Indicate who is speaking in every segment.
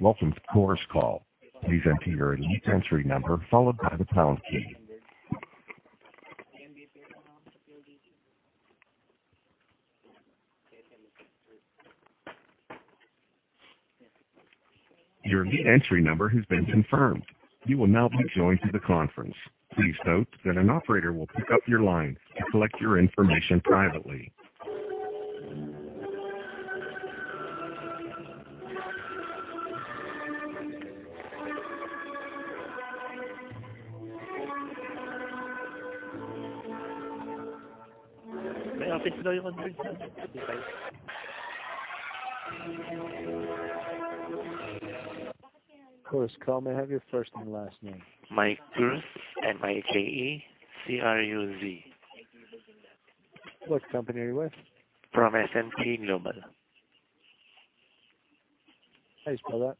Speaker 1: Welcome to Chorus Call. Please enter your unique entry number followed by the pound key. Your unique entry number has been confirmed. You will now be joined to the conference. Please note that an operator will pick up your line to collect your information privately.
Speaker 2: Chorus Call, may I have your first and last name?
Speaker 3: Mike Cruz. M-I-K-E C-R-U-Z.
Speaker 2: What company are you with?
Speaker 3: From S&P Global.
Speaker 2: How do you spell that?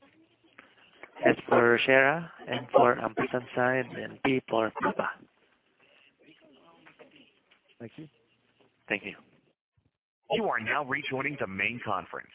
Speaker 3: S for Sierra, N for ampersand sign, P for Papa.
Speaker 2: Thank you.
Speaker 3: Thank you.
Speaker 1: You are now rejoining the main conference.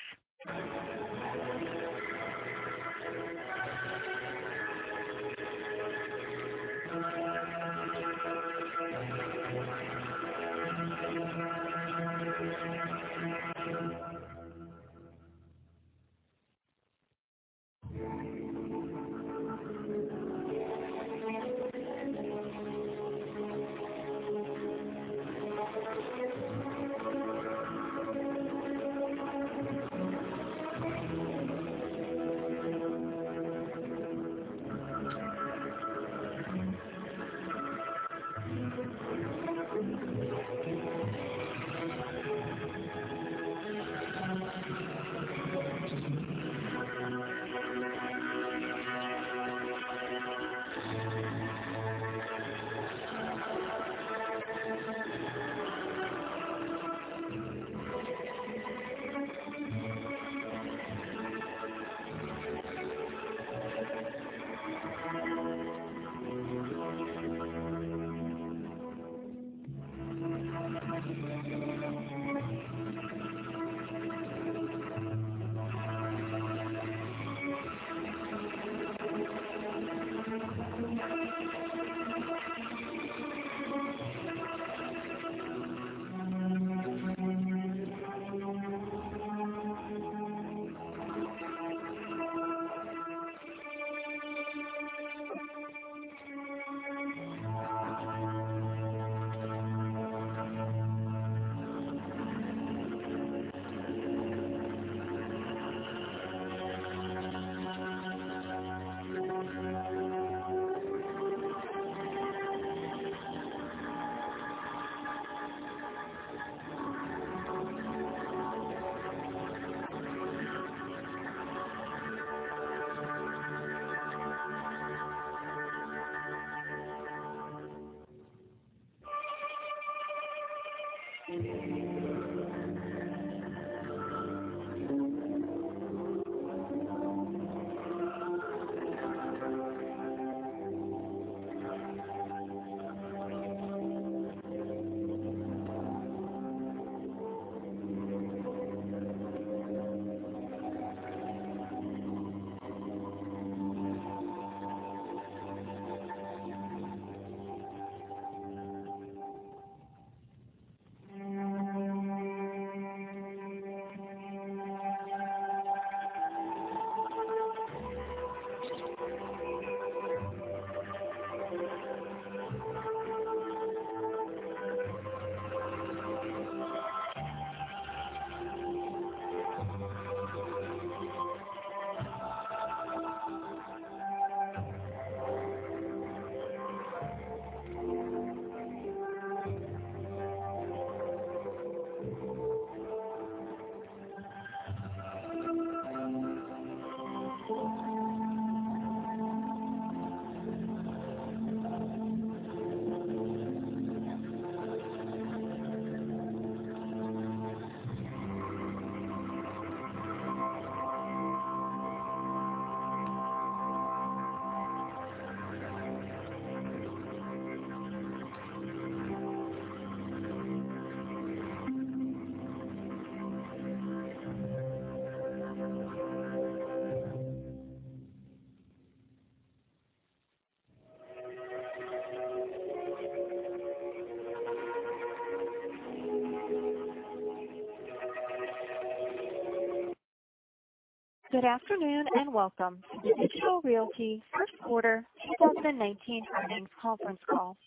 Speaker 4: Good afternoon, and welcome to the Digital Realty first quarter 2019 earnings conference call.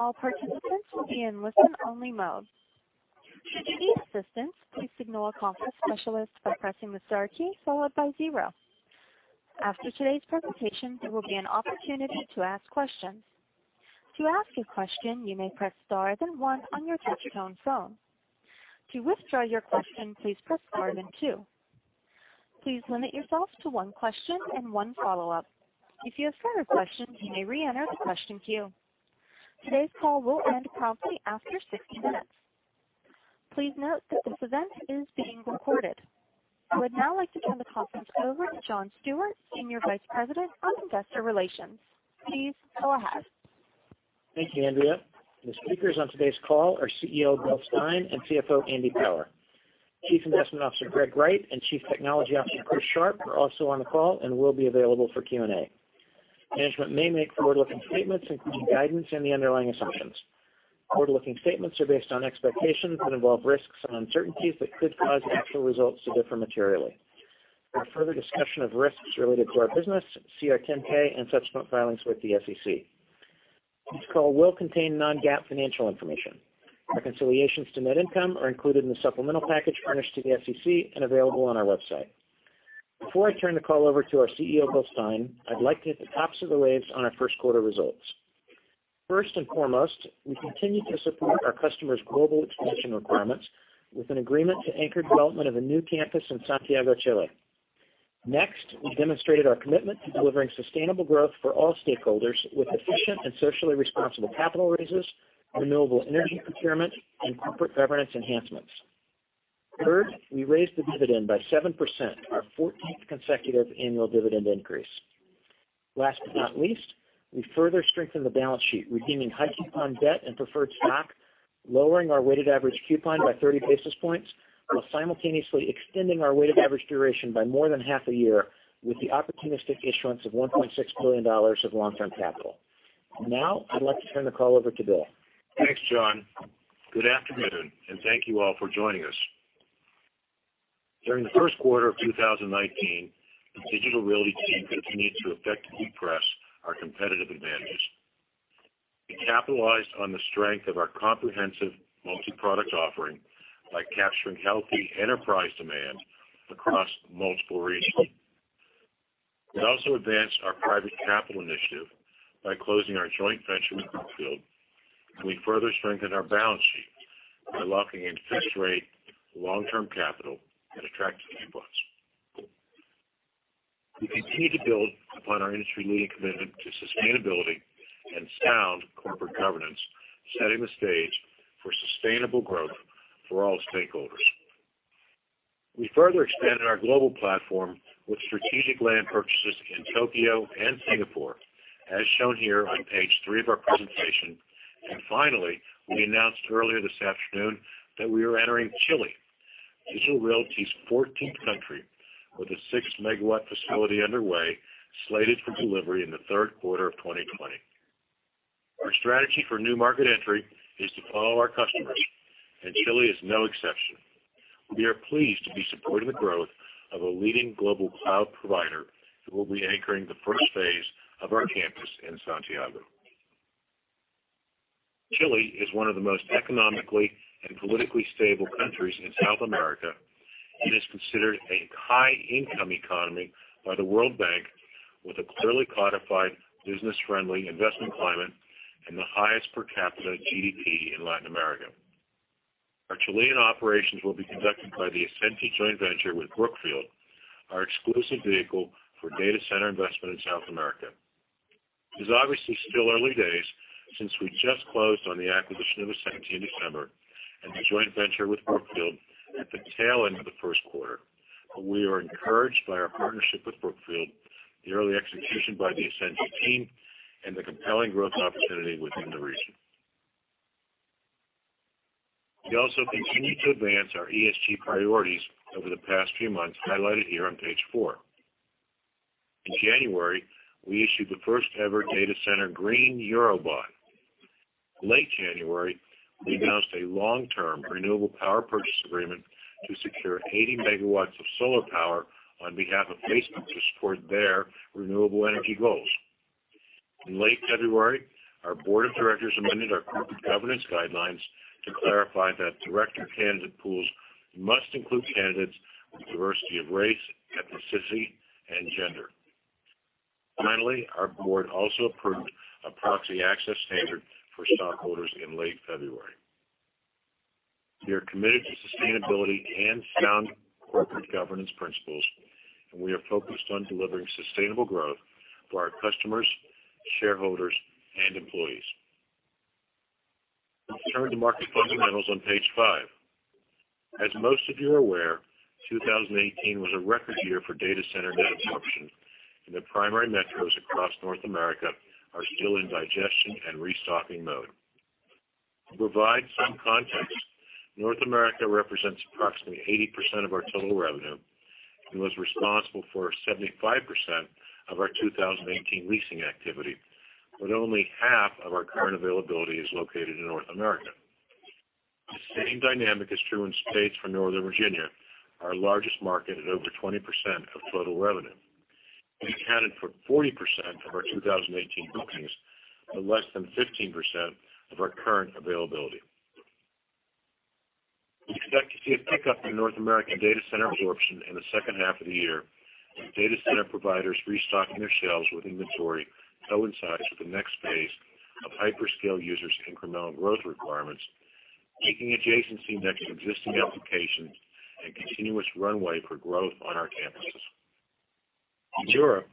Speaker 4: All participants will be in listen-only mode. Should you need assistance, please signal a conference specialist by pressing the star key followed by zero. After today's presentation, there will be an opportunity to ask questions. To ask a question, you may press star then one on your touch-tone phone. To withdraw your question, please press star then two. Please limit yourself to one question and one follow-up. If you have further questions, you may re-enter the question queue. Today's call will end promptly after 60 minutes. Please note that this event is being recorded. I would now like to turn the conference over to John Stewart, Senior Vice President of Investor Relations. Please go ahead.
Speaker 5: Thank you, Andrea. The speakers on today's call are CEO Bill Stein and CFO Andy Power. Chief Investment Officer Greg Wright and Chief Technology Officer Chris Sharp are also on the call and will be available for Q&A. Management may make forward-looking statements including guidance and the underlying assumptions. Forward-looking statements are based on expectations that involve risks and uncertainties that could cause actual results to differ materially. For further discussion of risks related to our business, see our 10-K and subsequent filings with the SEC. This call will contain non-GAAP financial information. Reconciliations to net income are included in the supplemental package furnished to the SEC and available on our website. Before I turn the call over to our CEO, Bill Stein, I'd like to hit the tops of the waves on our first quarter results. First and foremost, we continue to support our customers' global expansion requirements with an agreement to anchor development of a new campus in Santiago, Chile. Next, we demonstrated our commitment to delivering sustainable growth for all stakeholders with efficient and socially responsible capital raises, renewable energy procurement, and corporate governance enhancements. Third, we raised the dividend by 7%, our 14th consecutive annual dividend increase. Last but not least, we further strengthened the balance sheet, redeeming high coupon debt and preferred stock, lowering our weighted average coupon by 30 basis points, while simultaneously extending our weighted average duration by more than half a year with the opportunistic issuance of $1.6 billion of long-term capital. Now, I'd like to turn the call over to Bill.
Speaker 6: Thanks, John. Good afternoon, and thank you all for joining us. During the first quarter of 2019, the Digital Realty team continued to effectively press our competitive advantages. We capitalized on the strength of our comprehensive multi-product offering by capturing healthy enterprise demand across multiple regions. We also advanced our private capital initiative by closing our joint venture with Brookfield. We further strengthened our balance sheet by locking in fixed rate long-term capital at attractive inputs. We continue to build upon our industry-leading commitment to sustainability and sound corporate governance, setting the stage for sustainable growth for all stakeholders. We further expanded our global platform with strategic land purchases in Tokyo and Singapore, as shown here on page three of our presentation. Finally, we announced earlier this afternoon that we are entering Chile, Digital Realty's 14th country, with a six megawatt facility underway, slated for delivery in the third quarter of 2020. Our strategy for new market entry is to follow our customers. Chile is no exception. We are pleased to be supporting the growth of a leading global cloud provider who will be anchoring the first phase of our campus in Santiago. Chile is one of the most economically and politically stable countries in South America and is considered a high income economy by the World Bank, with a clearly codified business-friendly investment climate and the highest per capita GDP in Latin America. Our Chilean operations will be conducted by the Ascenty joint venture with Brookfield, our exclusive vehicle for data center investment in South America. It's obviously still early days since we just closed on the acquisition of Ascenty in December and the joint venture with Brookfield at the tail end of the first quarter. We are encouraged by our partnership with Brookfield, the early execution by the Ascenty team, and the compelling growth opportunity within the region. We also continue to advance our ESG priorities over the past few months, highlighted here on page four. In January, we issued the first ever data center green Eurobond. Late January, we announced a long-term renewable power purchase agreement to secure 80 megawatts of solar power on behalf of Facebook to support their renewable energy goals. In late February, our board of directors amended our corporate governance guidelines to clarify that director candidate pools must include candidates with diversity of race, ethnicity, and gender. Our board also approved a proxy access standard for stockholders in late February. We are committed to sustainability and sound corporate governance principles, and we are focused on delivering sustainable growth for our customers, shareholders, and employees. Let's turn to market fundamentals on page five. As most of you are aware, 2018 was a record year for data center net absorption, and the primary metros across North America are still in digestion and restocking mode. To provide some context, North America represents approximately 80% of our total revenue and was responsible for 75% of our 2018 leasing activity, but only half of our current availability is located in North America. The same dynamic is true in space for Northern Virginia, our largest market at over 20% of total revenue. It accounted for 40% of our 2018 bookings, but less than 15% of our current availability. We expect to see a pickup in North American data center absorption in the second half of the year as data center providers restocking their shelves with inventory coincides with the next phase of hyperscale users' incremental growth requirements, seeking adjacency next to existing applications and continuous runway for growth on our campuses. In Europe,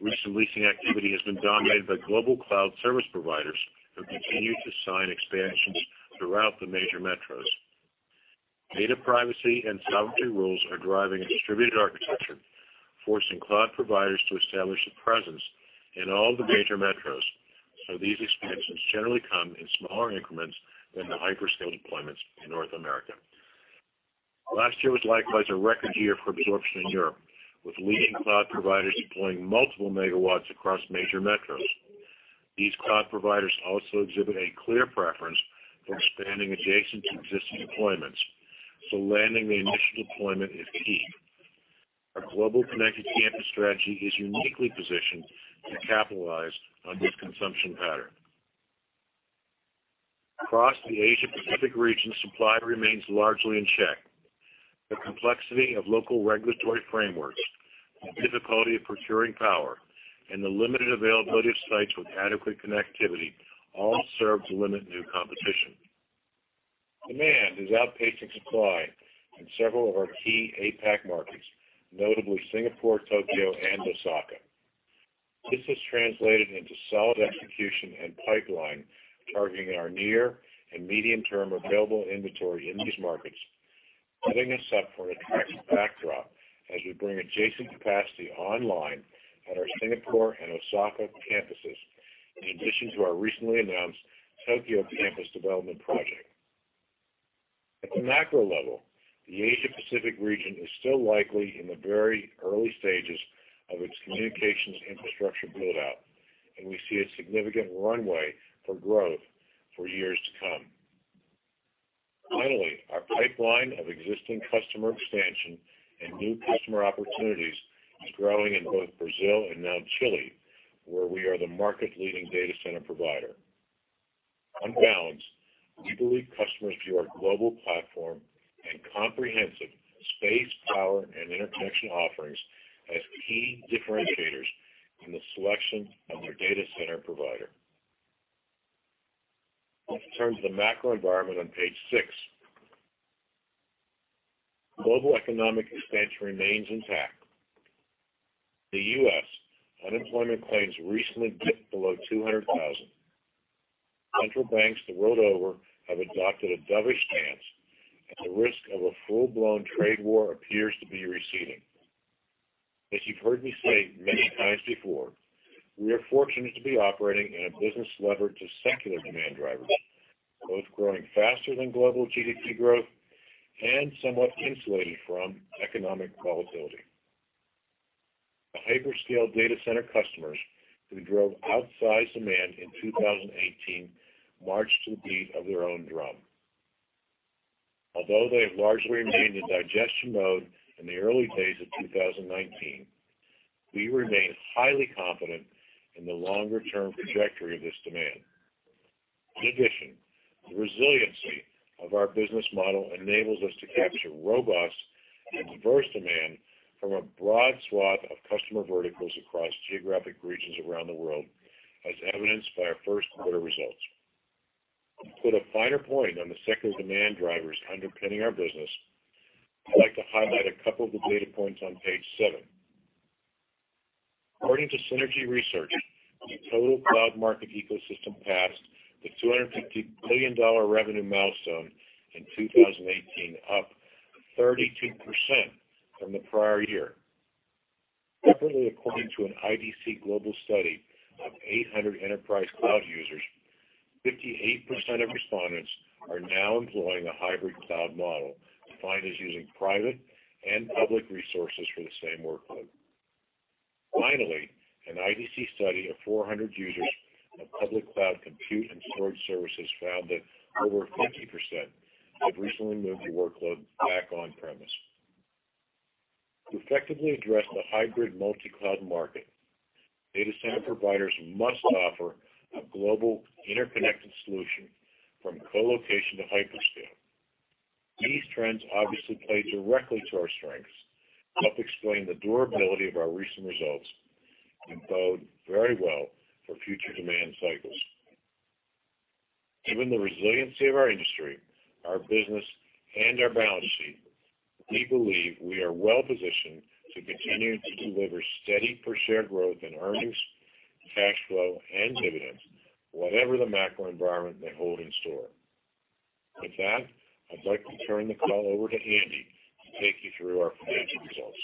Speaker 6: recent leasing activity has been dominated by global cloud service providers who continue to sign expansions throughout the major metros. Data privacy and sovereignty rules are driving a distributed architecture, forcing cloud providers to establish a presence in all the major metros. These expansions generally come in smaller increments than the hyperscale deployments in North America. Last year was likewise a record year for absorption in Europe, with leading cloud providers deploying multiple megawatts across major metros. These cloud providers also exhibit a clear preference for expanding adjacent to existing deployments, landing the initial deployment is key. Our global Connected Campus strategy is uniquely positioned to capitalize on this consumption pattern. Across the Asia Pacific region, supply remains largely in check. The complexity of local regulatory frameworks, the difficulty of procuring power, and the limited availability of sites with adequate connectivity all serve to limit new competition. Demand is outpacing supply in several of our key APAC markets, notably Singapore, Tokyo, and Osaka. This has translated into solid execution and pipeline targeting our near and medium-term available inventory in these markets, setting us up for an attractive backdrop as we bring adjacent capacity online at our Singapore and Osaka campuses, in addition to our recently announced Tokyo campus development project. At the macro level, the Asia Pacific region is still likely in the very early stages of its communications infrastructure build-out, and we see a significant runway for growth for years to come. Our pipeline of existing customer expansion and new customer opportunities is growing in both Brazil and now Chile, where we are the market-leading data center provider. On balance, we believe customers view our global platform and comprehensive space, power, and interconnection offerings as key differentiators in the selection of their data center provider. Let's turn to the macro environment on page six. Global economic expansion remains intact. In the U.S., unemployment claims recently dipped below 200,000. Central banks the world over have adopted a dovish stance, and the risk of a full-blown trade war appears to be receding. As you've heard me say many times before, we are fortunate to be operating in a business levered to secular demand drivers, both growing faster than global GDP growth and somewhat insulated from economic volatility. The hyperscale data center customers who drove outsized demand in 2018 marched to the beat of their own drum. Although they have largely remained in digestion mode in the early days of 2019, we remain highly confident in the longer-term trajectory of this demand. In addition, the resiliency of our business model enables us to capture robust and diverse demand from a broad swath of customer verticals across geographic regions around the world, as evidenced by our first quarter results. To put a finer point on the secular demand drivers underpinning our business, I'd like to highlight a couple of the data points on page seven. According to Synergy Research, the total cloud market ecosystem passed the $250 billion revenue milestone in 2018, up 32% from the prior year. Separately, according to an IDC global study of 800 enterprise cloud users, 58% of respondents are now employing a hybrid cloud model, defined as using private and public resources for the same workload. Finally, an IDC study of 400 users of public cloud compute and storage services found that over 50% have recently moved their workload back on premise. To effectively address the hybrid multi-cloud market, data center providers must offer a global interconnected solution from colocation to hyperscale. These trends obviously play directly to our strengths, help explain the durability of our recent results, and bode very well for future demand cycles. Given the resiliency of our industry, our business, and our balance sheet, we believe we are well positioned to continue to deliver steady per share growth in earnings, cash flow, and dividends, whatever the macro environment may hold in store. With that, I'd like to turn the call over to Andy to take you through our financial results.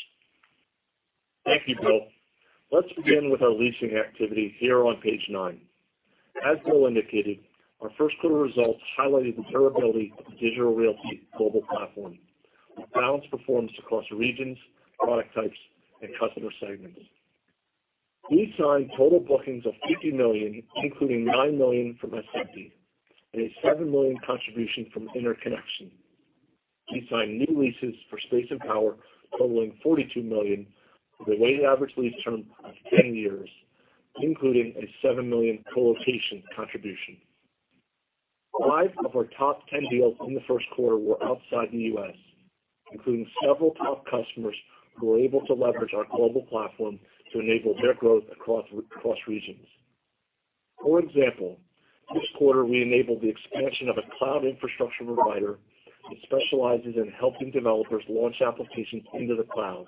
Speaker 7: Thank you, Bill. Let's begin with our leasing activity here on page nine. As Bill indicated, our first quarter results highlighted the durability of the Digital Realty global platform, with balanced performance across regions, product types, and customer segments. We signed total bookings of $50 million, including $9 million from colocation and a $7 million contribution from interconnection. We signed new leases for space and power totaling $42 million, with a weighted average lease term of 10 years, including a $7 million colocation contribution. Five of our top 10 deals in the first quarter were outside the U.S., including several top customers who were able to leverage our global platform to enable their growth across regions. For example, this quarter, we enabled the expansion of a cloud infrastructure provider that specializes in helping developers launch applications into the cloud,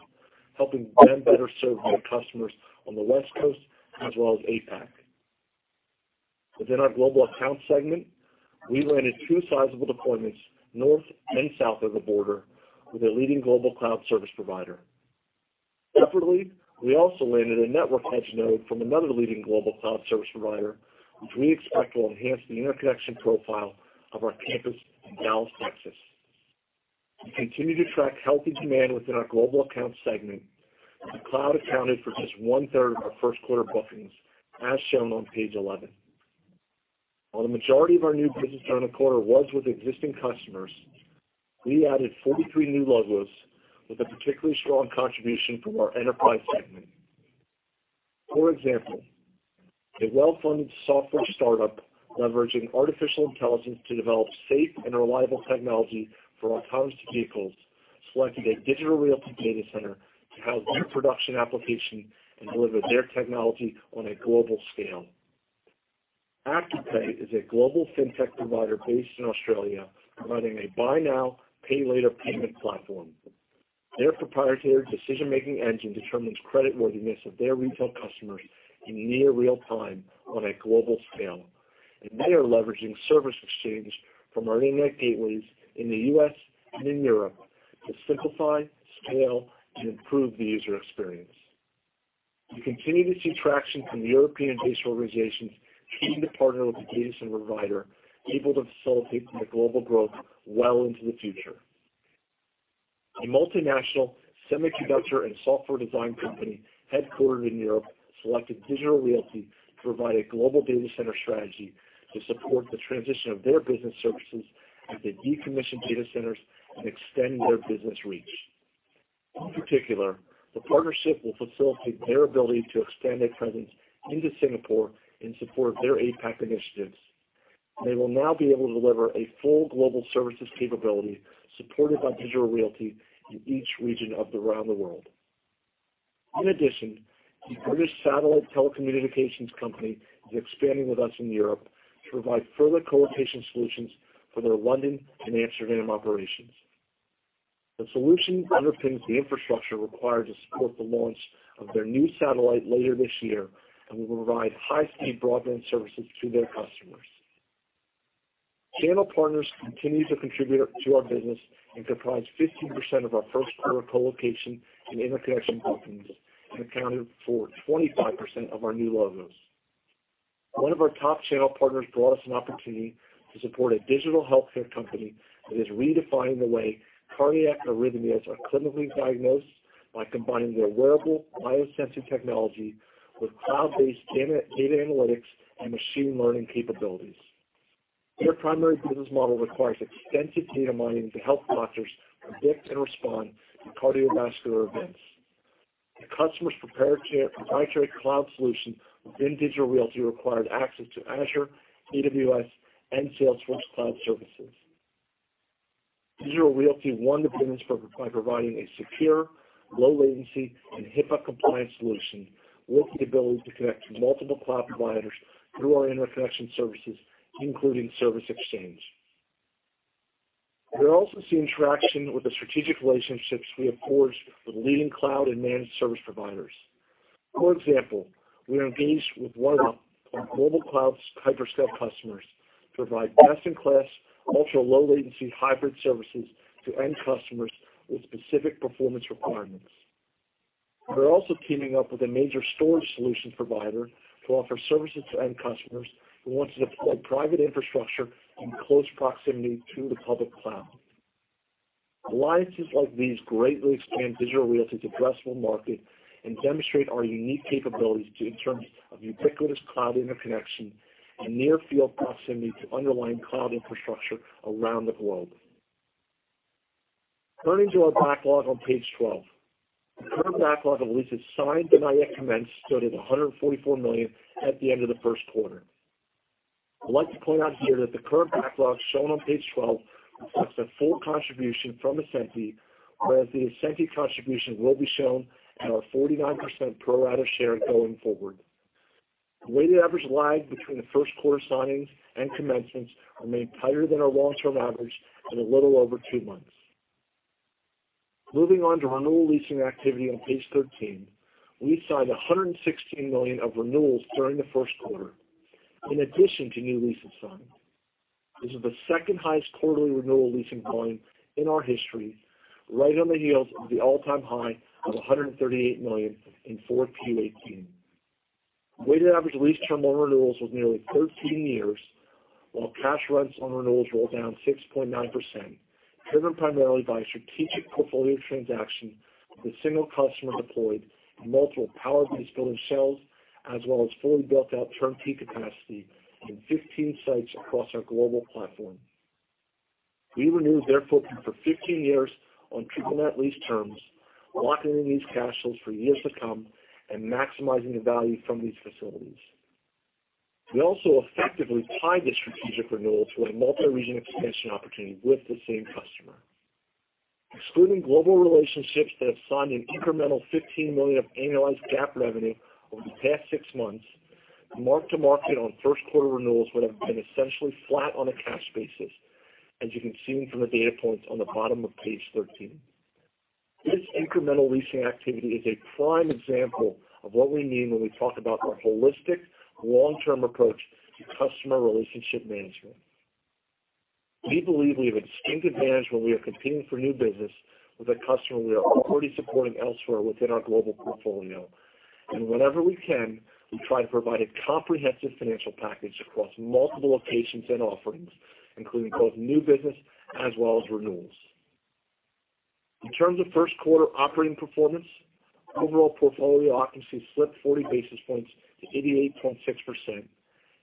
Speaker 7: helping them better serve their customers on the West Coast as well as APAC. Within our global account segment, we landed two sizable deployments north and south of the border with a leading global cloud service provider. Separately, we also landed a network edge node from another leading global cloud service provider, which we expect will enhance the interconnection profile of our campus in Dallas, Texas. We continue to track healthy demand within our global account segment, where the cloud accounted for just one-third of our first quarter bookings, as shown on page 11. While the majority of our new business during the quarter was with existing customers, we added 43 new logos with a particularly strong contribution from our enterprise segment. For example, a well-funded software startup leveraging artificial intelligence to develop safe and reliable technology for autonomous vehicles, selected a Digital Realty data center to house their production application and deliver their technology on a global scale. Afterpay is a global fintech provider based in Australia, providing a buy now, pay later payment platform. Their proprietary decision-making engine determines creditworthiness of their retail customers in near real time on a global scale, and they are leveraging Service Exchange from our internet gateways in the U.S. and in Europe to simplify, scale, and improve the user experience. We continue to see traction from European-based organizations keen to partner with a data center provider able to facilitate their global growth well into the future. A multinational semiconductor and software design company headquartered in Europe selected Digital Realty to provide a global data center strategy to support the transition of their business services as they decommission data centers and extend their business reach. In particular, the partnership will facilitate their ability to expand their presence into Singapore in support of their APAC initiatives. They will now be able to deliver a full global services capability supported by Digital Realty in each region around the world. In addition, a British satellite telecommunications company is expanding with us in Europe to provide further colocation solutions for their London and Amsterdam operations. The solution underpins the infrastructure required to support the launch of their new satellite later this year and will provide high-speed broadband services to their customers. Channel partners continue to contribute to our business and comprise 15% of our first quarter colocation and interconnection bookings and accounted for 25% of our new logos. One of our top channel partners brought us an opportunity to support a digital healthcare company that is redefining the way cardiac arrhythmias are clinically diagnosed by combining their wearable biosensing technology with cloud-based data analytics and machine learning capabilities. Their primary business model requires extensive data mining to help doctors predict and respond to cardiovascular events. The customer's proprietary cloud solution within Digital Realty required access to Azure, AWS, and Salesforce cloud services. Digital Realty won the business by providing a secure, low latency, and HIPAA compliant solution with the ability to connect to multiple cloud providers through our interconnection services, including Service Exchange. We're also seeing traction with the strategic relationships we have forged with leading cloud and managed service providers. For example, we are engaged with one of our mobile cloud hyperscale customers to provide best-in-class, ultra-low latency hybrid services to end customers with specific performance requirements. We are also teaming up with a major storage solution provider to offer services to end customers who want to deploy private infrastructure in close proximity to the public cloud. Alliances like these greatly expand Digital Realty's addressable market and demonstrate our unique capabilities in terms of ubiquitous cloud interconnection and near-field proximity to underlying cloud infrastructure around the globe. Turning to our backlog on page 12. The current backlog of leases signed but not yet commenced stood at $144 million at the end of the first quarter. I would like to point out here that the current backlog shown on page 12 reflects a full contribution from Ascenty, whereas the Ascenty contribution will be shown in our 49% pro rata share going forward. The weighted average lag between the first quarter signings and commencements remained tighter than our long-term average at a little over two months. Moving on to renewal leasing activity on page 13. We signed $116 million of renewals during the first quarter, in addition to new leases signed. This is the second highest quarterly renewal leasing volume in our history, right on the heels of the all-time high of $138 million in 4Q 2018. Weighted average lease term on renewals was nearly 13 years, while cash rents on renewals were down 6.9%, driven primarily by a strategic portfolio transaction with a single customer deployed in multiple power-based building cells, as well as fully built out turnkey capacity in 15 sites across our global platform. We renewed their footprint for 15 years on triple net lease terms, locking in these cash flows for years to come and maximizing the value from these facilities. We also effectively tied this strategic renewal to a multi-region expansion opportunity with the same customer. Excluding global relationships that have signed an incremental $15 million of annualized GAAP revenue over the past six months, mark to market on first quarter renewals would have been essentially flat on a cash basis, as you can see from the data points on the bottom of page 13. This incremental leasing activity is a prime example of what we mean when we talk about our holistic long-term approach to customer relationship management. We believe we have a distinct advantage when we are competing for new business with a customer we are already supporting elsewhere within our global portfolio. Wherever we can, we try to provide a comprehensive financial package across multiple locations and offerings, including both new business as well as renewals. In terms of first quarter operating performance, overall portfolio occupancy slipped 40 basis points to 88.6%,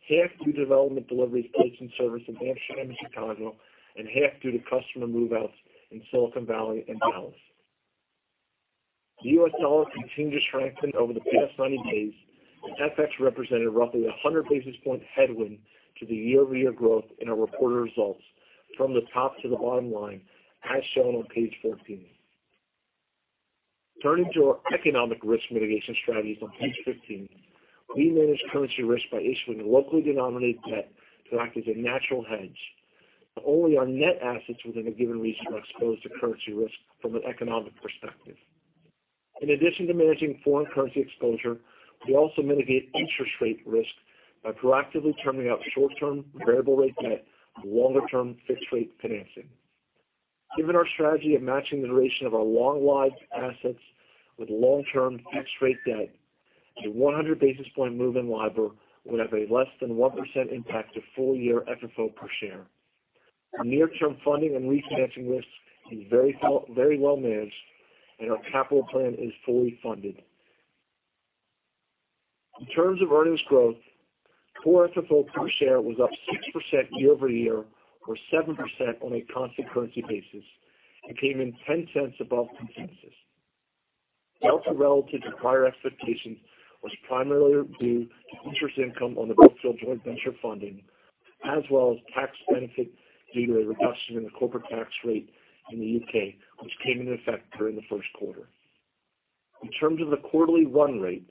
Speaker 7: half due to development deliveries placed in service in Ashburn and Chicago, and half due to customer move-outs in Silicon Valley and Dallas. The U.S. dollar continued to strengthen over the past 90 days. FX represented roughly 100 basis point headwind to the year-over-year growth in our reported results from the top to the bottom line, as shown on page 14. Turning to our economic risk mitigation strategies on page 15. We manage currency risk by issuing locally denominated debt to act as a natural hedge. Only our net assets within a given region are exposed to currency risk from an economic perspective. In addition to managing foreign currency exposure, we also mitigate interest rate risk by proactively terming out short-term variable rate debt and longer-term fixed rate financing. Given our strategy of matching the duration of our long-lived assets with long-term fixed rate debt, a 100 basis points move in LIBOR would have a less than 1% impact to full-year FFO per share. Our near-term funding and refinancing risk is very well managed, and our capital plan is fully funded. In terms of earnings growth, core FFO per share was up 6% year-over-year, or 7% on a constant currency basis, and came in $0.10 above consensus. Delta relative to prior expectations was primarily due to interest income on the Brookfield joint venture funding, as well as tax benefit due to a reduction in the corporate tax rate in the U.K., which came into effect during the first quarter. In terms of the quarterly run rate,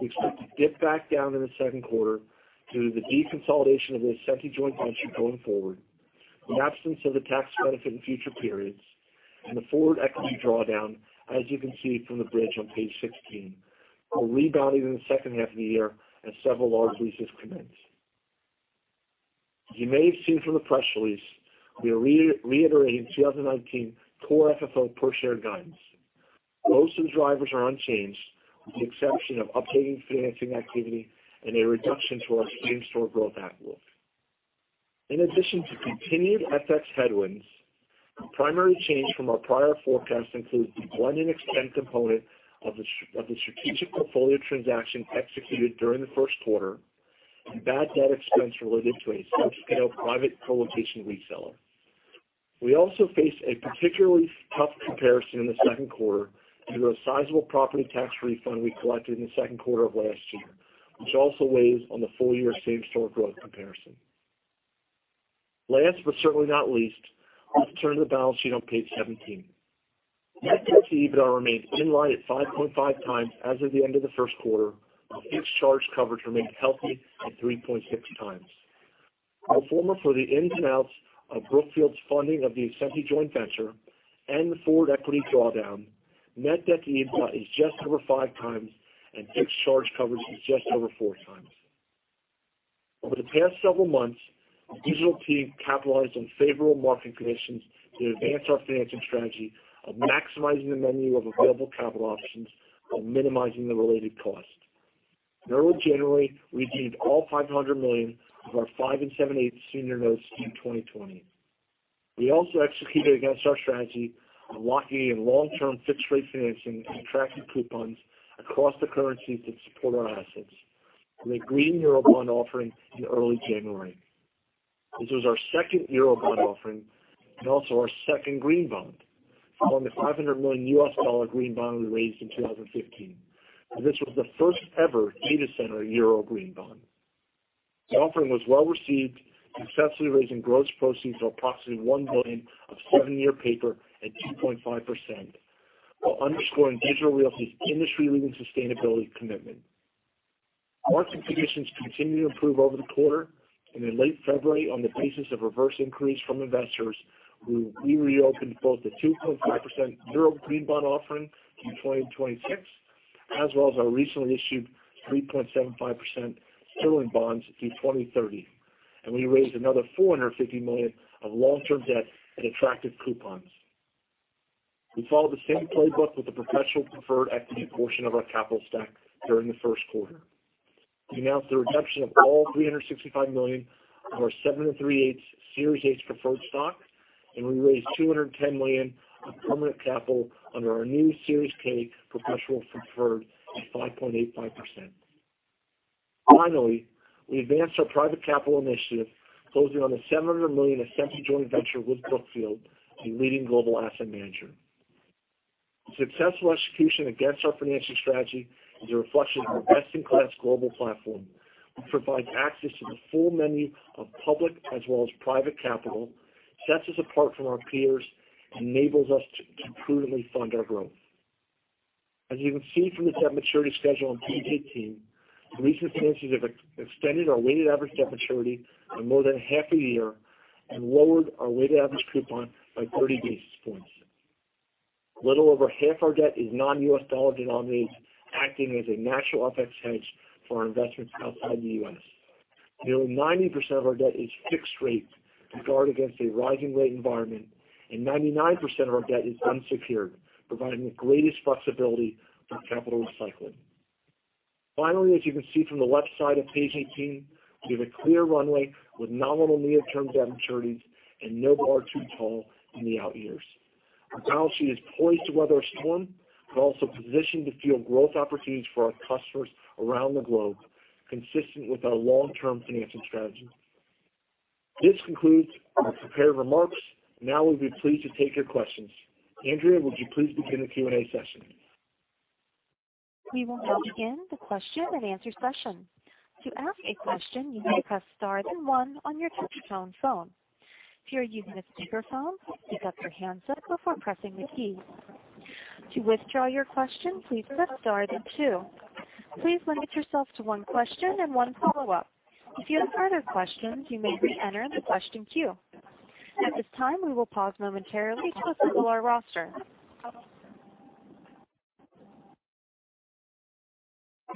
Speaker 7: we expect to dip back down in the second quarter due to the deconsolidation of the Ascenty joint venture going forward, the absence of the tax benefit in future periods, and the forward equity drawdown, as you can see from the bridge on page 16. We're rebounding in the second half of the year as several large leases commence. As you may have seen from the press release, we are reiterating 2019 core FFO per share guidance. Most of the drivers are unchanged with the exception of updating financing activity and a reduction to our same-store growth outlook. In addition to continued FX headwinds, the primary change from our prior forecast includes the blend and extend component of the strategic portfolio transaction executed during the first quarter, and bad debt expense related to a subscale private colo reseller. We also face a particularly tough comparison in the second quarter due to a sizable property tax refund we collected in the second quarter of last year, which also weighs on the full-year same-store growth comparison. Last, but certainly not least, let's turn to the balance sheet on page 17. Net debt to EBITDA remains in line at 5.5 times as of the end of the first quarter, and fixed charge coverage remains healthy at 3.6 times. Pro forma for the ins and outs of Brookfield's funding of the Ascenty joint venture and the forward equity drawdown, net debt to EBITDA is just over five times, and fixed charge coverage is just over four times. Over the past several months, the Digital team capitalized on favorable market conditions to advance our financing strategy of maximizing the menu of available capital options while minimizing the related cost. In early January, we redeemed all $500 million of our 5 7/8% senior notes due 2020. We also executed against our strategy of locking in long-term fixed rate financing and attractive coupons across the currencies that support our assets with a green Eurobond offering in early January. This was our second Eurobond offering and also our second green bond, following the $500 million U.S. dollar green bond we raised in 2015, and this was the first ever data center Euro green bond. The offering was well-received, successfully raising gross proceeds of approximately 1 billion of seven-year paper at 2.5%, while underscoring Digital Realty's industry-leading sustainability commitment. Market conditions continued to improve over the quarter, and in late February, on the basis of reverse inquiries from investors, we reopened both the 2.5% Euro green bond offering due 2026, as well as our recently issued 3.75% sterling bonds due 2030. We raised another $450 million of long-term debt at attractive coupons. We followed the same playbook with the professional preferred equity portion of our capital stack during the first quarter. We announced the redemption of all $365 million of our 7 3/8 Series H preferred stock, and we raised $210 million of permanent capital under our new Series K professional preferred at 5.85%. Finally, we advanced our private capital initiative, closing on the $700 million Ascenty joint venture with Brookfield, a leading global asset manager. The successful execution against our financing strategy is a reflection of our best-in-class global platform, which provides access to the full menu of public as well as private capital, sets us apart from our peers, enables us to prudently fund our growth. As you can see from the debt maturity schedule on page 18, the recent finances have extended our weighted average debt maturity by more than half a year and lowered our weighted average coupon by 30 basis points. A little over half our debt is non-U.S. dollar denominated, acting as a natural FX hedge for our investments outside the U.S. Nearly 90% of our debt is fixed rate to guard against a rising rate environment, and 99% of our debt is unsecured, providing the greatest flexibility for capital recycling. Finally, as you can see from the left side of page 18, we have a clear runway with nominal near-term debt maturities and no bar too tall in the out years. Our balance sheet is poised to weather a storm, but also positioned to field growth opportunities for our customers around the globe, consistent with our long-term financing strategy. This concludes my prepared remarks. Now we'll be pleased to take your questions. Andrea, would you please begin the Q&A session?
Speaker 4: We will now begin the question and answer session. To ask a question, you may press star then one on your touch-tone phone. If you're using a speakerphone, pick up your handset before pressing the key. To withdraw your question, please press star then two. Please limit yourself to one question and one follow-up. If you have further questions, you may reenter the question queue. At this time, we will pause momentarily to assemble our roster.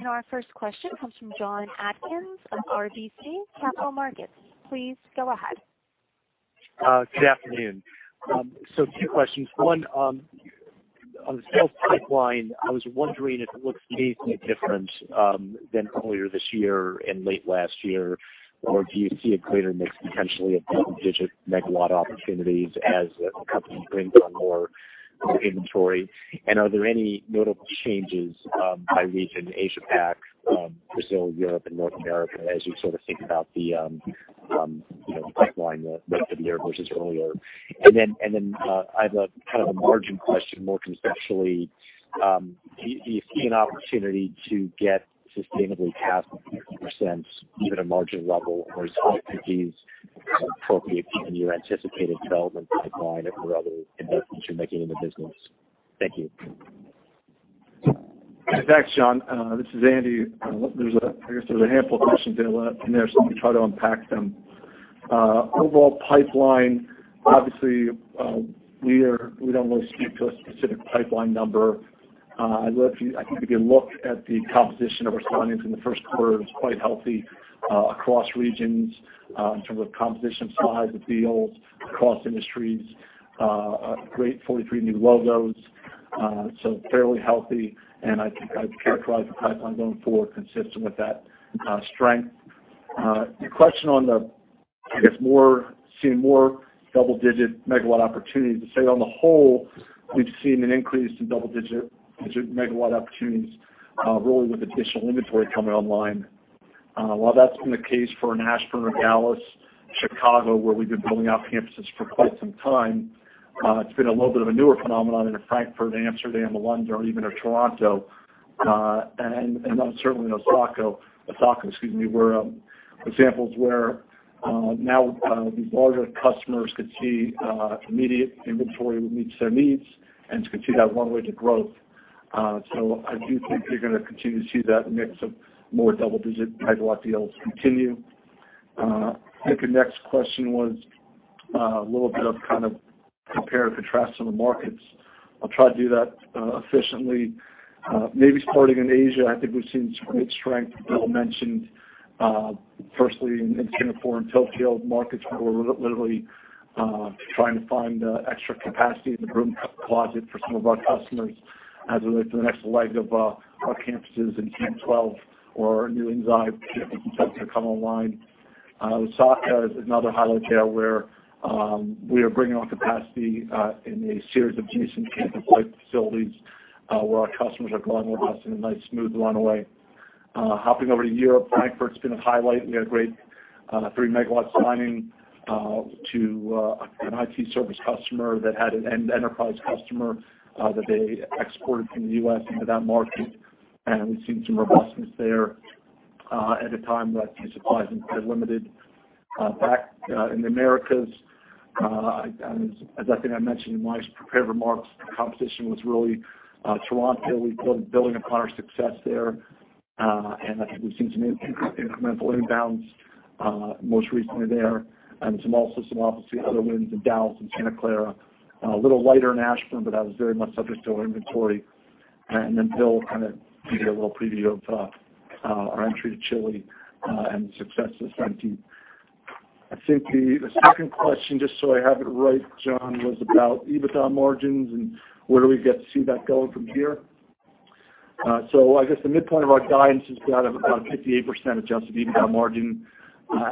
Speaker 4: Our first question comes from Jonathan Atkin of RBC Capital Markets. Please go ahead.
Speaker 8: Good afternoon. Two questions. One, on the sales pipeline, I was wondering if it looks amazingly different than earlier this year and late last year, or do you see a greater mix potentially of double-digit megawatt opportunities as the company brings on more inventory? Are there any notable changes by region, Asia Pac, Brazil, Europe, and North America, as you sort of think about the pipeline relative to the year versus earlier? I have a kind of a margin question more conceptually. Do you see an opportunity to get sustainably past 50%, even a margin level as opportunities appropriate in your anticipated development pipeline and other investments you're making in the business? Thank you.
Speaker 7: Thanks, Jon. This is Andy. I guess there was a handful of questions in there, let me try to unpack them. Overall pipeline, obviously, we don't really speak to a specific pipeline number. I think if you look at the composition of our signings in the first quarter, it was quite healthy across regions in terms of composition, size of deals across industries. A great 43 new logos. Fairly healthy, and I think I'd characterize the pipeline going forward consistent with that strength. Your question on the, I guess, seeing more double-digit megawatt opportunities. I'd say on the whole, we've seen an increase in double-digit megawatt opportunities, really with additional inventory coming online. While that's been the case for Ashburn, Dallas, Chicago, where we've been building out campuses for quite some time, it's been a little bit of a newer phenomenon in Frankfurt, Amsterdam, and London, or even a Toronto, and now certainly in Osaka, excuse me, were examples where now these larger customers could see immediate inventory that meets their needs and can see that runway to growth. I do think you're going to continue to see that mix of more double-digit megawatt deals continue. I think the next question was a little bit of kind of compare and contrast on the markets. I'll try to do that efficiently. Maybe starting in Asia, I think we've seen some great strength. Bill mentioned firstly in Singapore and Tokyo markets where we're literally trying to find extra capacity in the broom closet for some of our customers as it relates to the next leg of our campuses in Camp 12 or our new 15 sites that come online. Osaka is another highlight there where we are bringing on capacity in a series of decent campus-like facilities, where our customers are going with us in a nice smooth runway. Hopping over to Europe, Frankfurt's been a highlight. We had a great three-megawatt signing to an IT service customer that had an end enterprise customer that they exported from the U.S. into that market, and we've seen some robustness there at a time that I'd say supply's been quite limited. Back in the Americas, as I think I mentioned in my prepared remarks, the competition was really Toronto. We've been building upon our success there, I think we've seen some incremental inbounds most recently there, and some obviously other wins in Dallas and Santa Clara. A little lighter in Ashburn, but that was very much subject to our inventory. Bill kind of gave you a little preview of our entry to Chile and the success of 17. I think the second question, just so I have it right, John, was about EBITDA margins and where do we get to see that going from here? I guess the midpoint of our guidance is about a 58% adjusted EBITDA margin.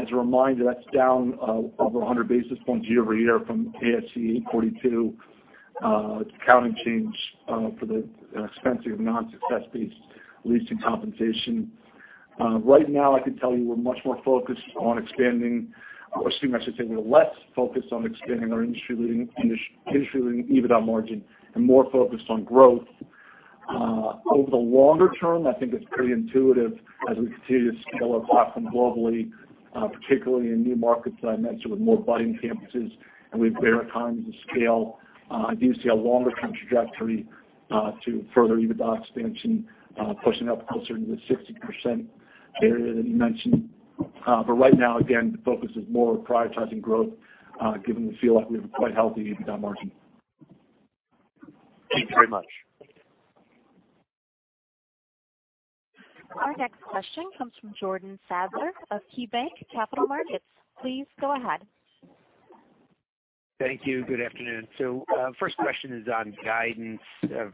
Speaker 7: As a reminder, that's down over 100 basis points year-over-year from ASC 842 accounting change for the expensing of non-success-based leasing compensation. Right now, I can tell you we're much more focused on expanding, we're less focused on expanding our industry-leading EBITDA margin and more focused on growth. Over the longer term, I think it's pretty intuitive as we continue to scale across and globally, particularly in new markets that I mentioned with more volume campuses and with economies of scale. I do see a longer-term trajectory to further EBITDA expansion, pushing up closer to the 60% area that you mentioned. Right now, again, the focus is more on prioritizing growth, given we feel like we have a quite healthy EBITDA margin.
Speaker 9: Thank you very much.
Speaker 4: Our next question comes from Jordan Sadler of KeyBanc Capital Markets. Please go ahead.
Speaker 10: Thank you. Good afternoon. First question is on guidance